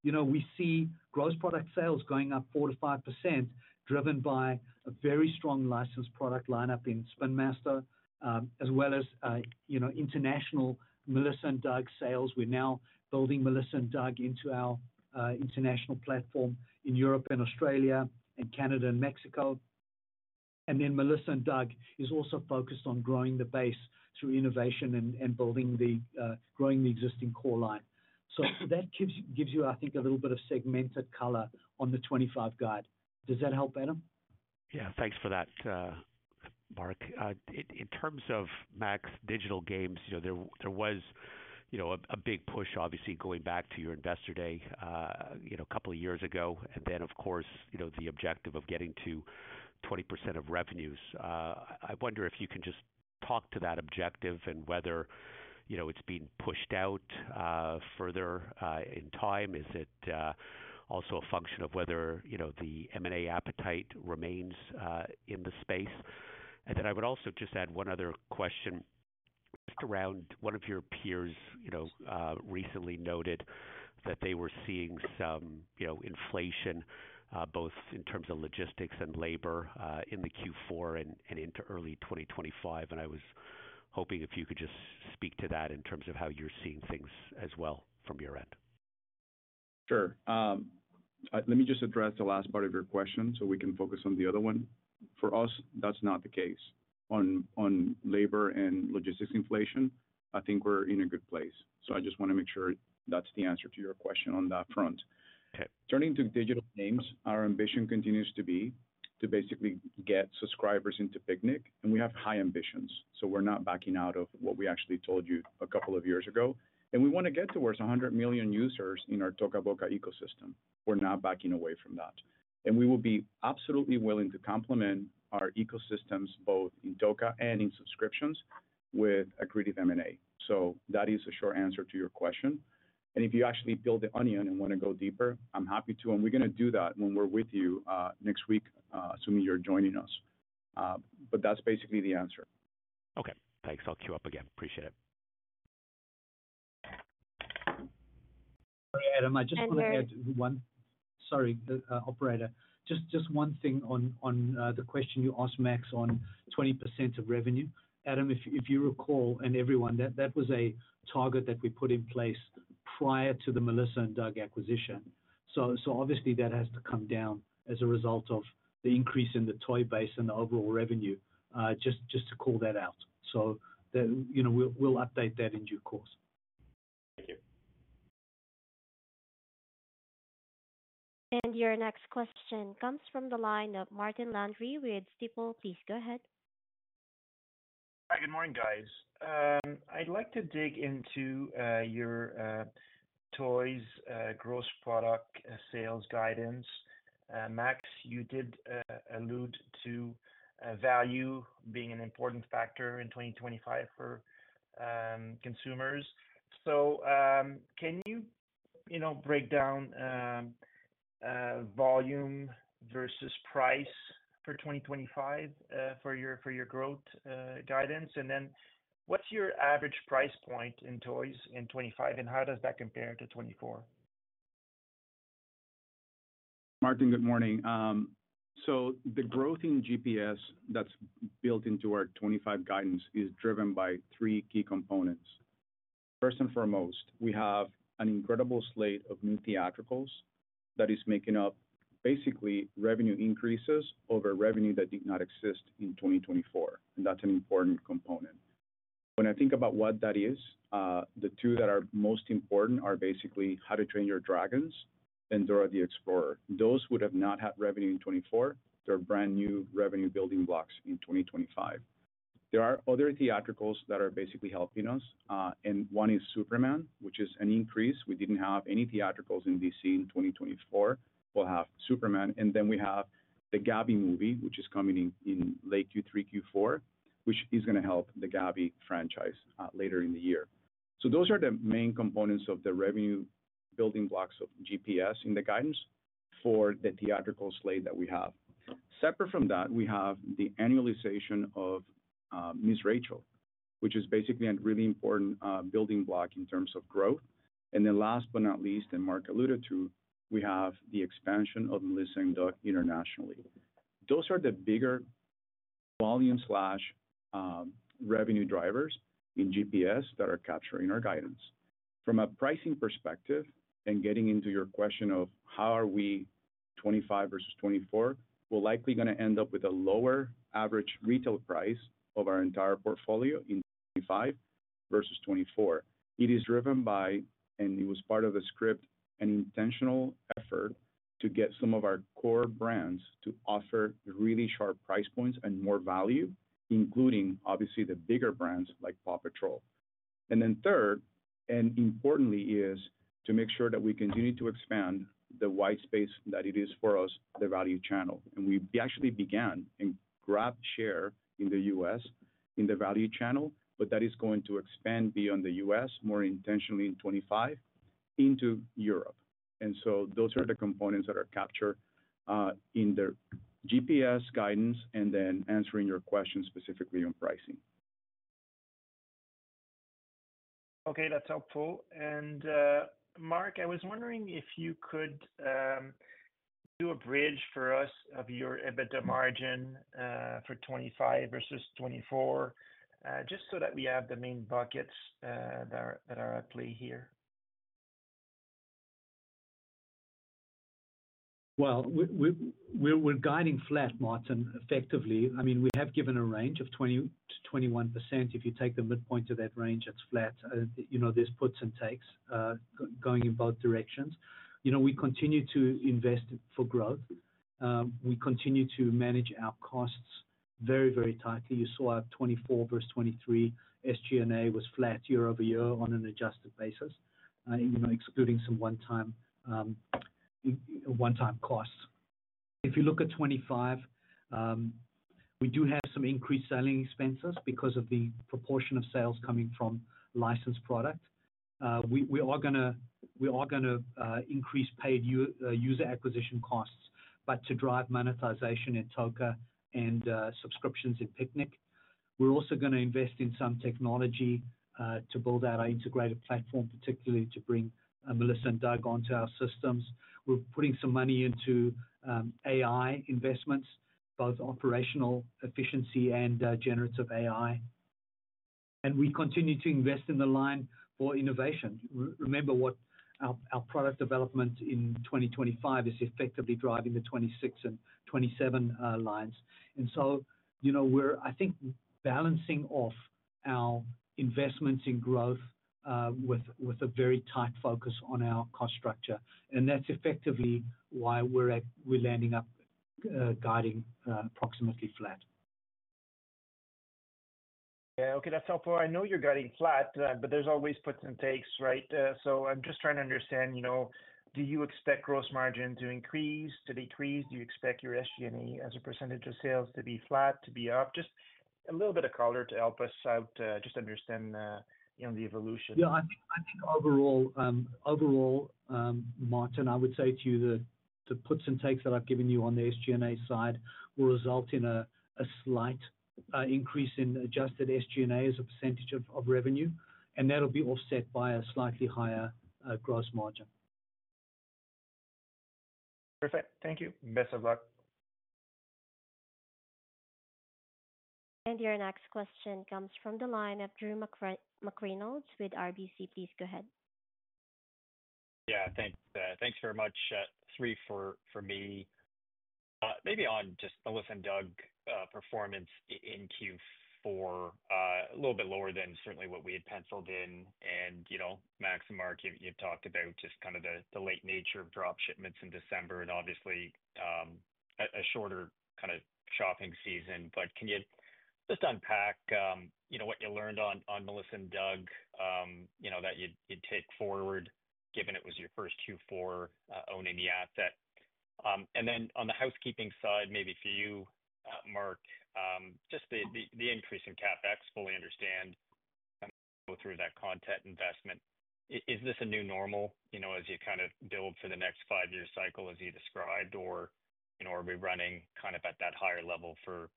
we see gross product sales going up 4%-5%, driven by a very strong licensed product lineup in Spin Master, as well as international Melissa & Doug sales. We're now building Melissa & Doug into our international platform in Europe and Australia and Canada and Mexico. And then Melissa & Doug is also focused on growing the base through innovation and growing the existing core line. So that gives you, I think, a little bit of segmented color on the 25 guide. Does that help, Adam? Yeah, thanks for that, Mark. In terms of our digital games, there was a big push, obviously, going back to your investor day a couple of years ago. And then, of course, the objective of getting to 20% of revenues. I wonder if you can just talk to that objective and whether it's being pushed out further in time. Is it also a function of whether the M&A appetite remains in the space? And then I would also just add one other question just around one of your peers recently noted that they were seeing some inflation, both in terms of logistics and labor in the Q4 and into early 2025. And I was hoping if you could just speak to that in terms of how you're seeing things as well from your end. Sure. Let me just address the last part of your question so we can focus on the other one. For us, that's not the case. On labor and logistics inflation, I think we're in a good place. So I just want to make sure that's the answer to your question on that front. Turning to digital games, our ambition continues to be to basically get subscribers into Piknik, and we have high ambitions. So we're not backing out of what we actually told you a couple of years ago. And we want to get towards 100 million users in our Toca Boca ecosystem. We're not backing away from that. And we will be absolutely willing to complement our ecosystems, both in Toca and in subscriptions, with accretive M&A. So that is a short answer to your question. And if you actually peel the onion and want to go deeper, I'm happy to. And we're going to do that when we're with you next week, assuming you're joining us. But that's basically the answer. Okay. Thanks. I'll queue up again. Appreciate it. Sorry, Adam. I just want to add one, sorry, operator. Just one thing on the question you asked Max on 20% of revenue. Adam, if you recall, and everyone, that was a target that we put in place prior to the Melissa & Doug acquisition. So obviously, that has to come down as a result of the increase in the toy base and the overall revenue, just to call that out. So we'll update that in due course. Thank you. And your next question comes from the line of Martin Landry with Stifel. Please go ahead Hi, good morning, guys. I'd like to dig into your toys gross product sales guidance. Max, you did allude to value being an important factor in 2025 for consumers. So can you break down volume versus price for 2025 for your growth guidance? And then what's your average price point in toys in 2025, and how does that compare to 2024? Martin, good morning. So the growth in GPS that's built into our 2025 guidance is driven by three key components. First and foremost, we have an incredible slate of new theatricals that is making up basically revenue increases over revenue that did not exist in 2024. And that's an important component. When I think about what that is, the two that are most important are basically How to Train Your Dragon and Dora the Explorer. Those would have not had revenue in 2024. They're brand new revenue-building blocks in 2025. There are other theatricals that are basically helping us. And one is Superman, which is an increase. We didn't have any theatricals in DC in 2024. We'll have Superman. And then we have the Gabby movie, which is coming in late Q3, Q4, which is going to help the Gabby franchise later in the year. So those are the main components of the revenue-building blocks of GPS in the guidance for the theatrical slate that we have. Separate from that, we have the annualization of Miss Rachel, which is basically a really important building block in terms of growth. And then last but not least, and Mark alluded to, we have the expansion of Melissa & Doug internationally. Those are the bigger volume/revenue drivers in GPS that are capturing our guidance. From a pricing perspective, and getting into your question of how are we 2025 versus 2024, we're likely going to end up with a lower average retail price of our entire portfolio in 2025 versus 2024. It is driven by, and it was part of the script, an intentional effort to get some of our core brands to offer really sharp price points and more value, including, obviously, the bigger brands like PAW Patrol, and then third, and importantly, is to make sure that we continue to expand the white space that it is for us, the value channel. And we actually began and grabbed share in the U.S. in the value channel, but that is going to expand beyond the U.S. more intentionally in 2025 into Europe, and so those are the components that are captured in the GPS guidance and then answering your question specifically on pricing. Okay, that's helpful, and Mark, I was wondering if you could do a bridge for us of your EBITDA margin for 2025 versus 2024, just so that we have the main buckets that are at play here. Well, we're guiding flat, Martin, effectively. I mean, we have given a range of 20%-21%. If you take the midpoint of that range, it's flat. There's puts and takes going in both directions. We continue to invest for growth. We continue to manage our costs very, very tightly. You saw our 2024 versus 2023 SG&A was flat year-over-year on an adjusted basis, excluding some one-time costs. If you look at 2025, we do have some increased selling expenses because of the proportion of sales coming from licensed product. We are going to increase paid user acquisition costs, but to drive monetization in Toca and subscriptions in Piknik. We're also going to invest in some technology to build out our integrated platform, particularly to bring Melissa & Doug onto our systems. We're putting some money into AI investments, both operational efficiency and generative AI. We continue to invest in the line for innovation. Remember what our product development in 2025 is effectively driving the 2026 and 2027 lines. We're, I think, balancing off our investments in growth with a very tight focus on our cost structure. That's effectively why we're landing up guiding approximately flat. Yeah. Okay, that's helpful. I know you're guiding flat, but there's always puts and takes, right? I'm just trying to understand, do you expect gross margin to increase, to decrease? Do you expect your SG&A as a percentage of sales to be flat, to be up? Just a little bit of color to help us out, just understand the evolution. Yeah, I think overall, Martin, I would say to you, the puts and takes that I've given you on the SG&A side will result in a slight increase in adjusted SG&A as a percentage of revenue. And that'll be offset by a slightly higher gross margin. Perfect. Thank you. Best of luck. And your next question comes from the line of Drew McReynolds with RBC. Please go ahead. Yeah, thanks. Thanks very much. Three for me. Maybe on just Melissa & Doug performance in Q4, a little bit lower than certainly what we had penciled in. And Max and Mark, you've talked about just kind of the late nature of drop shipments in December and obviously a shorter kind of shopping season. But can you just unpack what you learned on Melissa & Doug that you'd take forward, given it was your first Q4 owning the asset? Then on the housekeeping side, maybe for you, Mark, just the increase in CapEx to fully understand. Go through that content investment. Is this a new normal as you kind of build for the next five-year cycle, as you described, or are we running kind of at that higher level for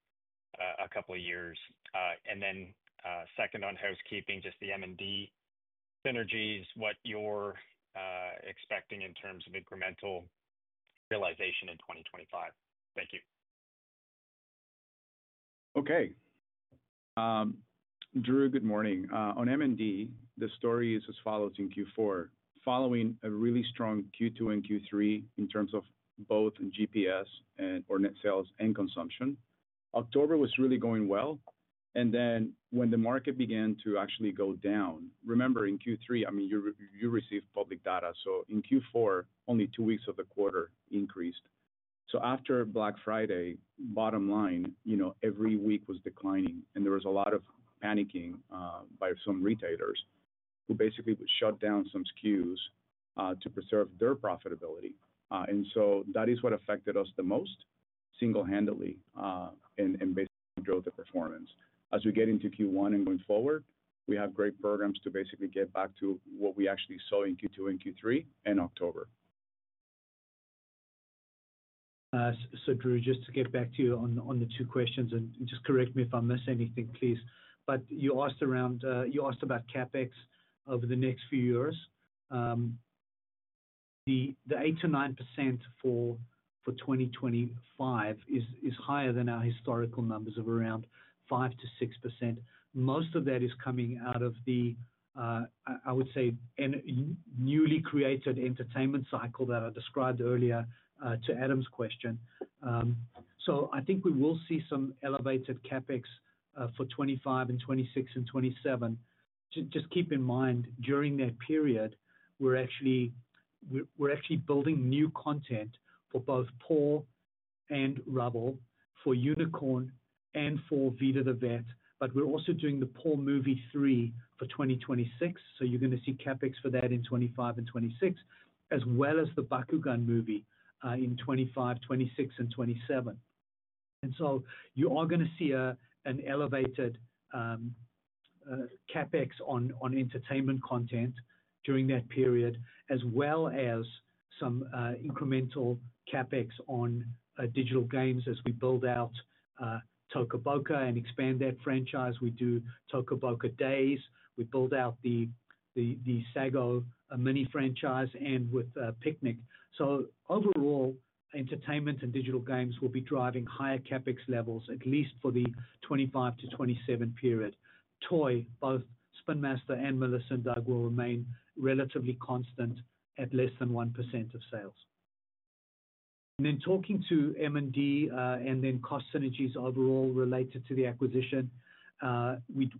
a couple of years? Then second on housekeeping, just the M&D synergies, what you're expecting in terms of incremental realization in 2025? Thank you. Okay. Drew, good morning. On M&D, the story is as follows in Q4. Following a really strong Q2 and Q3 in terms of both GPS and retail sales and consumption, October was really going well. Then when the market began to actually go down, remember in Q3, I mean, you received public data. So in Q4, only two weeks of the quarter increased. So after Black Friday, bottom line, every week was declining. There was a lot of panicking by some retailers who basically shut down some SKUs to preserve their profitability. So that is what affected us the most single-handedly and basically drove the performance. As we get into Q1 and going forward, we have great programs to basically get back to what we actually saw in Q2 and Q3 and October. So Drew, just to get back to you on the two questions, and just correct me if I missed anything, please. But you asked about CapEx over the next few years. The 8%-9% for 2025 is higher than our historical numbers of around 5%-6%. Most of that is coming out of the, I would say, newly created entertainment cycle that I described earlier to Adam's question. So I think we will see some elevated CapEx for 2025, 2026, and 2027. Just keep in mind, during that period, we're actually building new content for both PAW and Rubble for Unicorn and for Vida the Vet. But we're also doing the PAW movie 3 for 2026. So you're going to see CapEx for that in 2025 and 2026, as well as the Bakugan movie in 2025, 2026, and 2027. And so you are going to see an elevated CapEx on entertainment content during that period, as well as some incremental CapEx on digital games as we build out Toca Boca and expand that franchise. We do Toca Boca Days. We build out the Sago Mini franchise and with Piknik. So overall, entertainment and digital games will be driving higher CapEx levels, at least for the 2025 to 2027 period. Toy, both Spin Master and Melissa & Doug will remain relatively constant at less than 1% of sales. And then talking to M&D and then cost synergies overall related to the acquisition,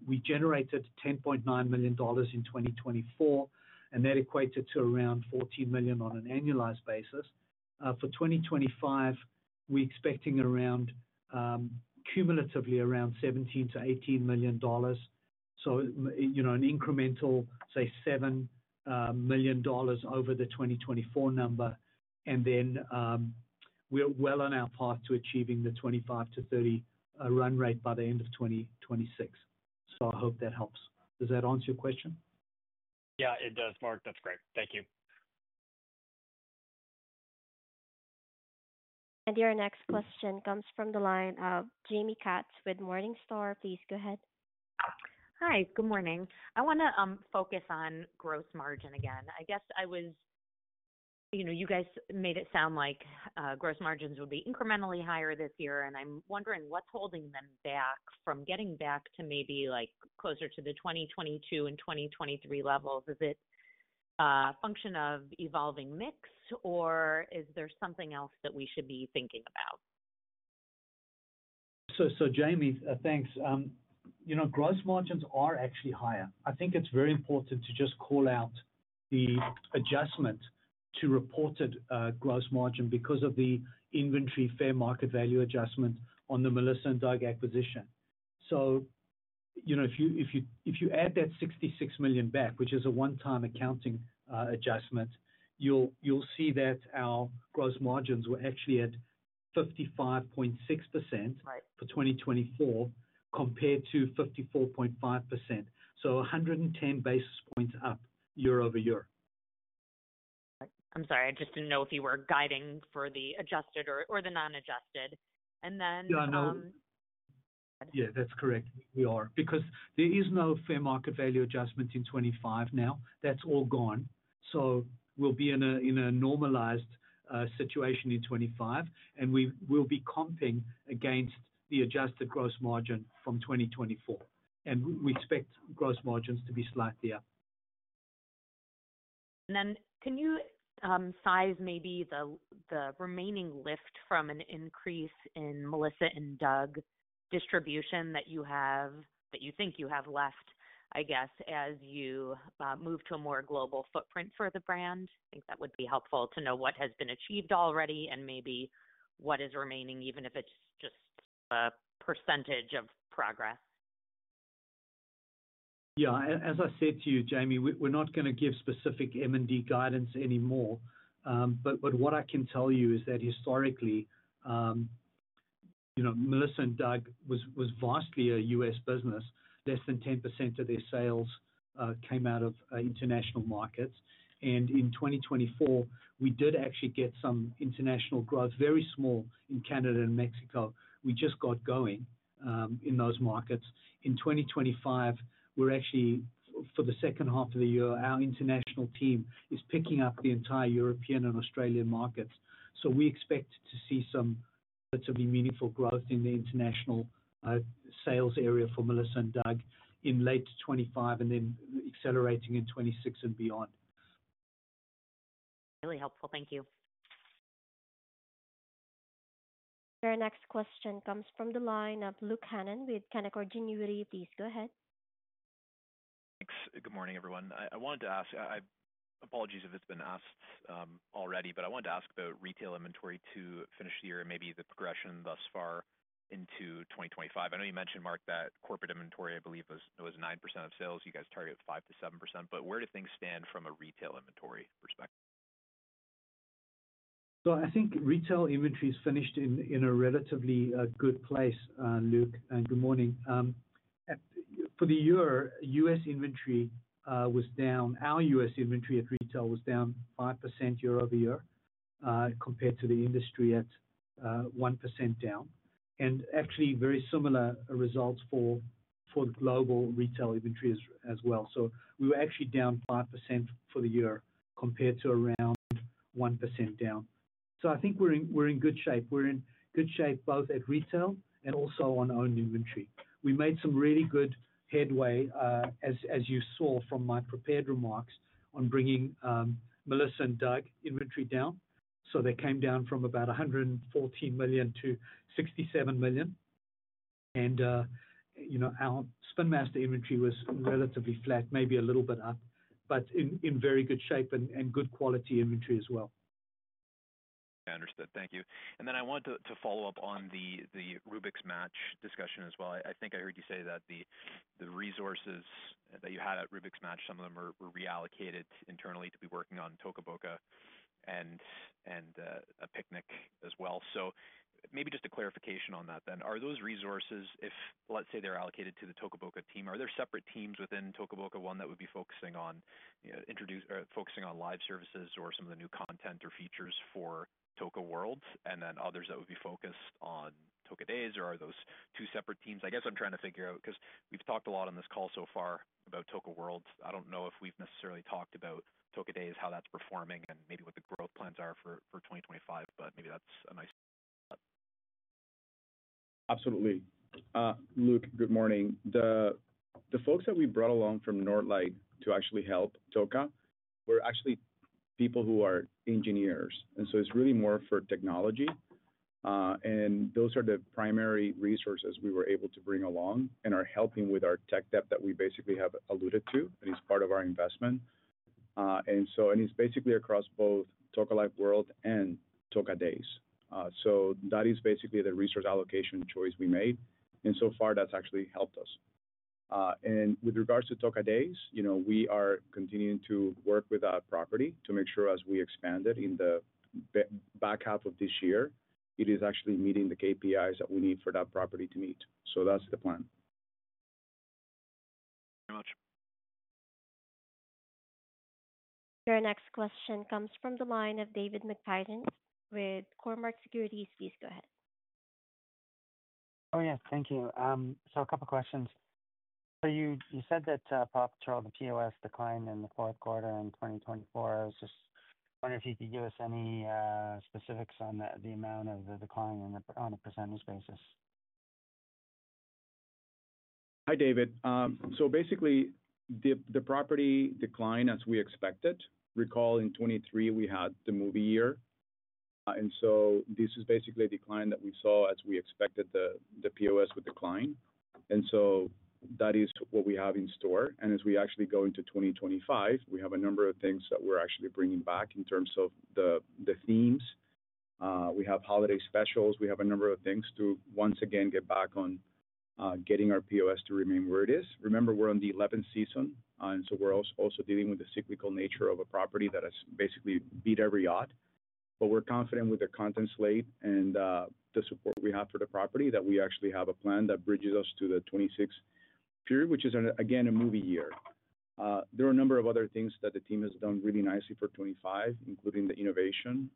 we generated $10.9 million in 2024, and that equated to around $14 million on an annualized basis. For 2025, we're expecting around cumulatively around $17 million-$18 million. So an incremental, say, $7 million over the 2024 number. And then we're well on our path to achieving the 25-30 run rate by the end of 2026. So I hope that helps. Does that answer your question? Yeah, it does, Mark. That's great. Thank you. And your next question comes from the line of Jamie Katz with Morningstar. Please go ahead. Hi, good morning. I want to focus on gross margin again. I guess when you guys made it sound like gross margins would be incrementally higher this year, and I'm wondering what's holding them back from getting back to maybe closer to the 2022 and 2023 levels. Is it a function of evolving mix, or is there something else that we should be thinking about? So Jamie, thanks. Gross margins are actually higher. I think it's very important to just call out the adjustment to reported gross margin because of the inventory fair market value adjustment on the Melissa & Doug acquisition. So if you add that $66 million back, which is a one-time accounting adjustment, you'll see that our gross margins were actually at 55.6% for 2024 compared to 54.5%. So 110 basis points up year-over-year. I'm sorry. I just didn't know if you were guiding for the adjusted or the non-adjusted, and then yeah, I know. Yeah, that's correct. We are. Because there is no fair market value adjustment in 2025 now. That's all gone. So we'll be in a normalized situation in 2025, and we will be comping against the adjusted gross margin from 2024. And we expect gross margins to be slightly up. And then can you size maybe the remaining lift from an increase in Melissa & Doug distribution that you think you have left, I guess, as you move to a more global footprint for the brand? I think that would be helpful to know what has been achieved already and maybe what is remaining, even if it's just a percentage of progress. Yeah. As I said to you, Jamie, we're not going to give specific M&D guidance anymore. But what I can tell you is that historically, Melissa & Doug was vastly a U.S. business. Less than 10% of their sales came out of international markets. And in 2024, we did actually get some international growth, very small in Canada and Mexico. We just got going in those markets. In 2025, we're actually, for the second half of the year, our international team is picking up the entire Europe and Australia markets. So we expect to see some relatively meaningful growth in the international sales area for Melissa & Doug in late 2025 and then accelerating in 2026 and beyond Really helpful. Thank you And your next question comes from the line of Luke Hannan with Canaccord Genuity. Please go ahead. Thanks. Good morning, everyone. I wanted to ask, apologies if it's been asked already, but I wanted to ask about retail inventory to finish the year and maybe the progression thus far into 2025. I know you mentioned, Mark, that corporate inventory, I believe, was 9% of sales. You guys target 5%-7%. But where do things stand from a retail inventory perspective? I think retail inventory is finished in a relatively good place, Luke. Good morning. For the year, U.S. inventory was down. Our U.S. inventory at retail was down 5% year-over-year compared to the industry at 1% down. Actually, very similar results for the global retail inventory as well. We were actually down 5% for the year compared to around 1% down. I think we're in good shape. We're in good shape both at retail and also on owned inventory. We made some really good headway, as you saw from my prepared remarks on bringing Melissa & Doug inventory down. That came down from about $114 million to $67 million. Our Spin Master inventory was relatively flat, maybe a little bit up, but in very good shape and good quality inventory as well. Yeah, understood. Thank you. Then I wanted to follow up on the Rubik's Match discussion as well. I think I heard you say that the resources that you had at Rubik's Match, some of them were reallocated internally to be working on Toca Boca and Piknik as well. So maybe just a clarification on that then. Are those resources, if let's say they're allocated to the Toca Boca team, are there separate teams within Toca Boca, one that would be focusing on live services or some of the new content or features for Toca World and then others that would be focused on Toca Boca Days? Or are those two separate teams? I guess I'm trying to figure out because we've talked a lot on this call so far about Toca Life World. I don't know if we've necessarily talked about Toca Boca Days, how that's performing, and maybe what the growth plans are for 2025, but maybe that's a nice thought. Absolutely. Luke, good morning. The folks that we brought along from Nordlight to actually help Toca were actually people who are engineers, and so it's really more for technology. And those are the primary resources we were able to bring along and are helping with our tech debt that we basically have alluded to, and it's part of our investment. And it's basically across both Toca Life World and Toca Boca Days. So that is basically the resource allocation choice we made, and so far, that's actually helped us. With regards to Toca Boca Days, we are continuing to work with that property to make sure as we expand it in the back half of this year, it is actually meeting the KPIs that we need for that property to meet. So that's the plan. Thank you very much. Your next question comes from the line of David McFadgen with Cormark Securities. Please go ahead. Oh, yes. Thank you. So a couple of questions. So you said that PAW Patrol, the POS, declined in the Q4 in 2024. I was just wondering if you could give us any specifics on the amount of the decline on a percentage basis. Hi, David. So basically, the property declined as we expected. Recall in 2023, we had the movie year. And so this is basically a decline that we saw as we expected the POS would decline. And so that is what we have in store. And as we actually go into 2025, we have a number of things that we're actually bringing back in terms of the themes. We have holiday specials. We have a number of things to once again get back on getting our POS to remain where it is. Remember, we're on the 11th season. And so we're also dealing with the cyclical nature of a property that has basically beat every odd. But we're confident with the content slate and the support we have for the property that we actually have a plan that bridges us to the 2026 period, which is, again, a movie year. There are a number of other things that the team has done really nicely for 2025, including the innovation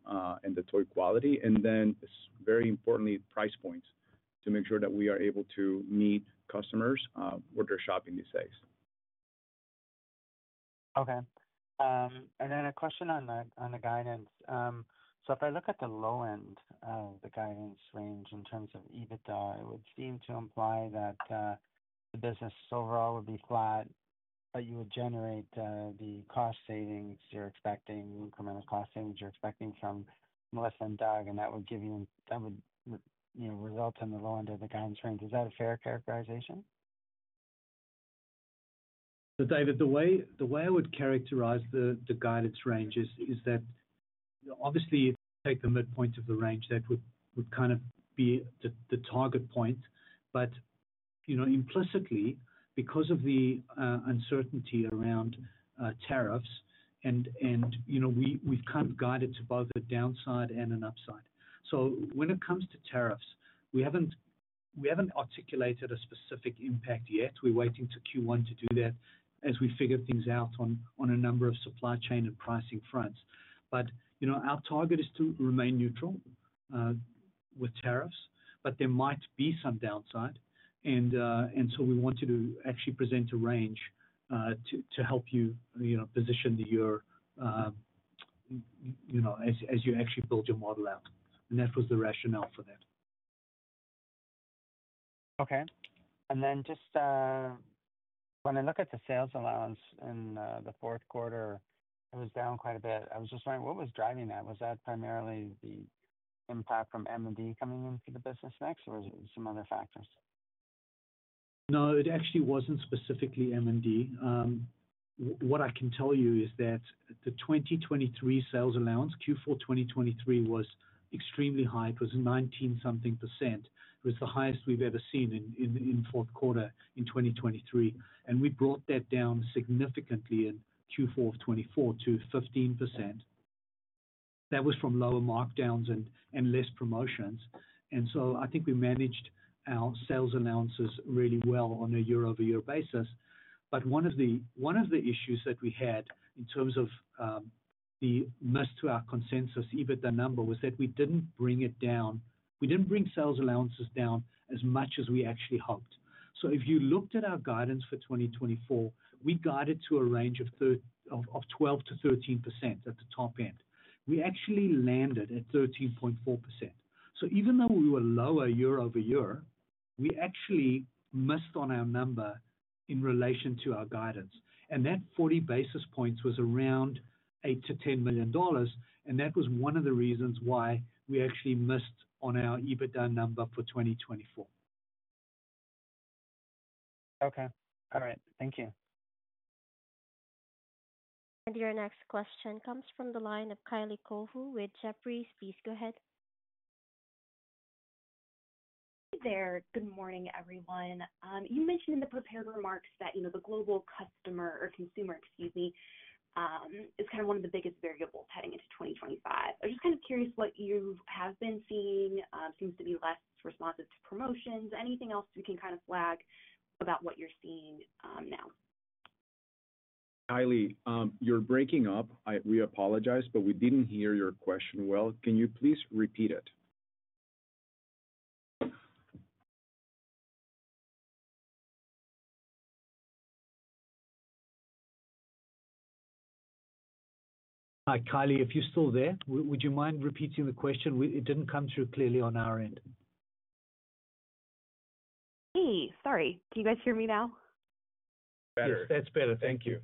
and the toy quality. And then, very importantly, price points to make sure that we are able to meet customers where they're shopping these days Okay. And then a question on the guidance. So if I look at the low end of the guidance range in terms of EBITDA, it would seem to imply that the business overall would be flat, but you would generate the cost savings you're expecting, incremental cost savings you're expecting from Melissa & Doug, and that would result in the low end of the guidance range. Is that a fair characterization? So, David, the way I would characterize the guidance range is that, obviously, if you take the midpoint of the range, that would kind of be the target point. But implicitly, because of the uncertainty around tariffs, and we've kind of guided to both a downside and an upside. So when it comes to tariffs, we haven't articulated a specific impact yet. We're waiting to Q1 to do that as we figure things out on a number of supply chain and pricing fronts. But our target is to remain neutral with tariffs, but there might be some downside. And so we wanted to actually present a range to help you position the year as you actually build your model out. And that was the rationale for that. Okay. And then just when I look at the sales allowance in the Q4, it was down quite a bit. I was just wondering, what was driving that? Was that primarily the impact from M&D coming into the business next, or were there some other factors? No, it actually wasn't specifically M&D. What I can tell you is that the 2023 sales allowance, Q4 2023, was extremely high. It was 19-something percent. It was the highest we've ever seen in the Q4 in 2023, and we brought that down significantly in Q4 of 2024 to 15%. That was from lower markdowns and less promotions, and so I think we managed our sales allowances really well on a year-over-year basis. But one of the issues that we had in terms of the [miss] to our consensus EBITDA number was that we didn't bring it down. We didn't bring sales allowances down as much as we actually hoped. So if you looked at our guidance for 2024, we guided to a range of 12%-13% at the top end. We actually landed at 13.4%. So even though we were lower year-over-year, we actually missed on our number in relation to our guidance, and that 40 basis points was around $8 million-$10 million. That was one of the reasons why we actually missed on our EBITDA number for 2024 Okay. All right. Thank you And your next question comes from the line of Kylie Cohu with Jefferies. Please go ahead Hey there. Good morning, everyone. You mentioned in the prepared remarks that the global customer or consumer, excuse me, is kind of one of the biggest variables heading into 2025. I'm just kind of curious what you have been seeing. Seems to be less responsive to promotions. Anything else we can kind of flag about what you're seeing now? Kylie, you're breaking up. We apologize, but we didn't hear your question well. Can you please repeat it? Hi, Kylie, if you're still there, would you mind repeating the question? It didn't come through clearly on our end. Hey, sorry. Do you guys hear me now? Better. That's better. Thank you.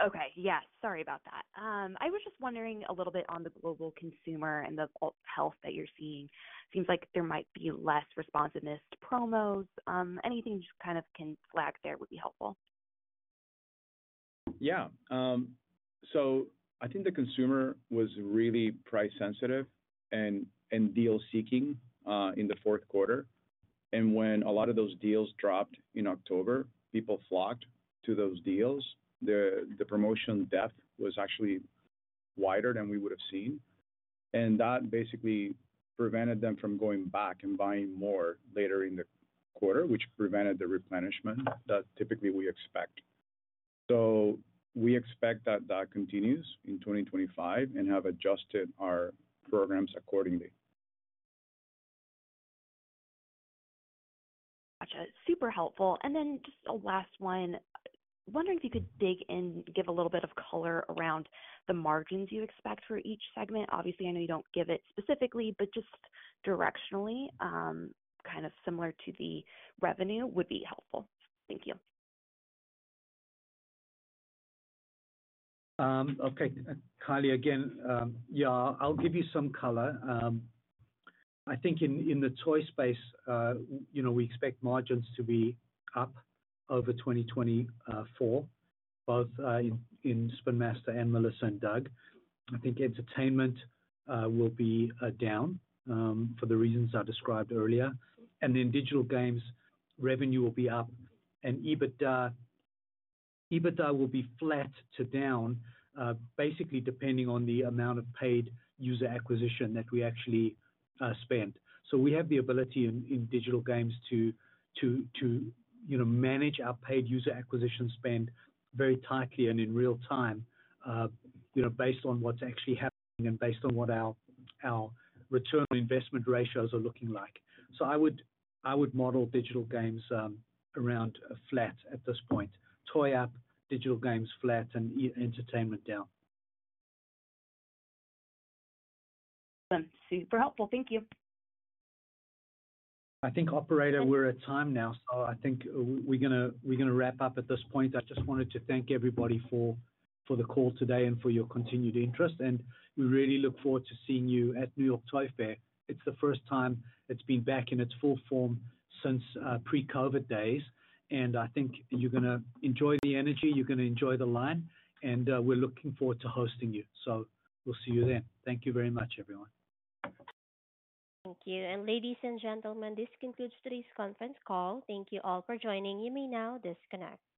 Okay. Yes. Sorry about that. I was just wondering a little bit on the global consumer and the health that you're seeing. Seems like there might be less responsiveness to promos. Anything you just kind of can flag there would be helpful. Yeah. So I think the consumer was really price-sensitive and deal-seeking in the Q4. And when a lot of those deals dropped in October, people flocked to those deals. The promotion depth was actually wider than we would have seen. And that basically prevented them from going back and buying more later in the quarter, which prevented the replenishment that typically we expect. So we expect that that continues in 2025 and have adjusted our programs accordingly. Gotcha. Super helpful. And then just a last one. Wondering if you could dig in, give a little bit of color around the margins you expect for each segment? Obviously, I know you don't give it specifically, but just directionally, kind of similar to the revenue would be helpful. Thank you. Okay. Kylie, again, yeah, I'll give you some color. I think in the toy space, we expect margins to be up over 2024, both in Spin Master and Melissa & Doug. I think entertainment will be down for the reasons I described earlier. And in digital games, revenue will be up. And EBITDA will be flat to down, basically depending on the amount of paid user acquisition that we actually spend. So we have the ability in digital games to manage our paid user acquisition spend very tightly and in real time based on what's actually happening and based on what our return on investment ratios are looking like. So I would model digital games around flat at this point. Toy up, digital games flat, and entertainment down. Awesome. Super helpful. Thank you. I think, Operator, we're at time now, so I think we're going to wrap up at this point. I just wanted to thank everybody for the call today and for your continued interest. And we really look forward to seeing you at New York Toy Fair. It's the first time it's been back in its full form since pre-COVID days. And I think you're going to enjoy the energy. You're going to enjoy the line. And we're looking forward to hosting you. So we'll see you then. Thank you very much, everyone. Thank you. And ladies and gentlemen, this concludes today's conference call. Thank you all for joining. You may now disconnect.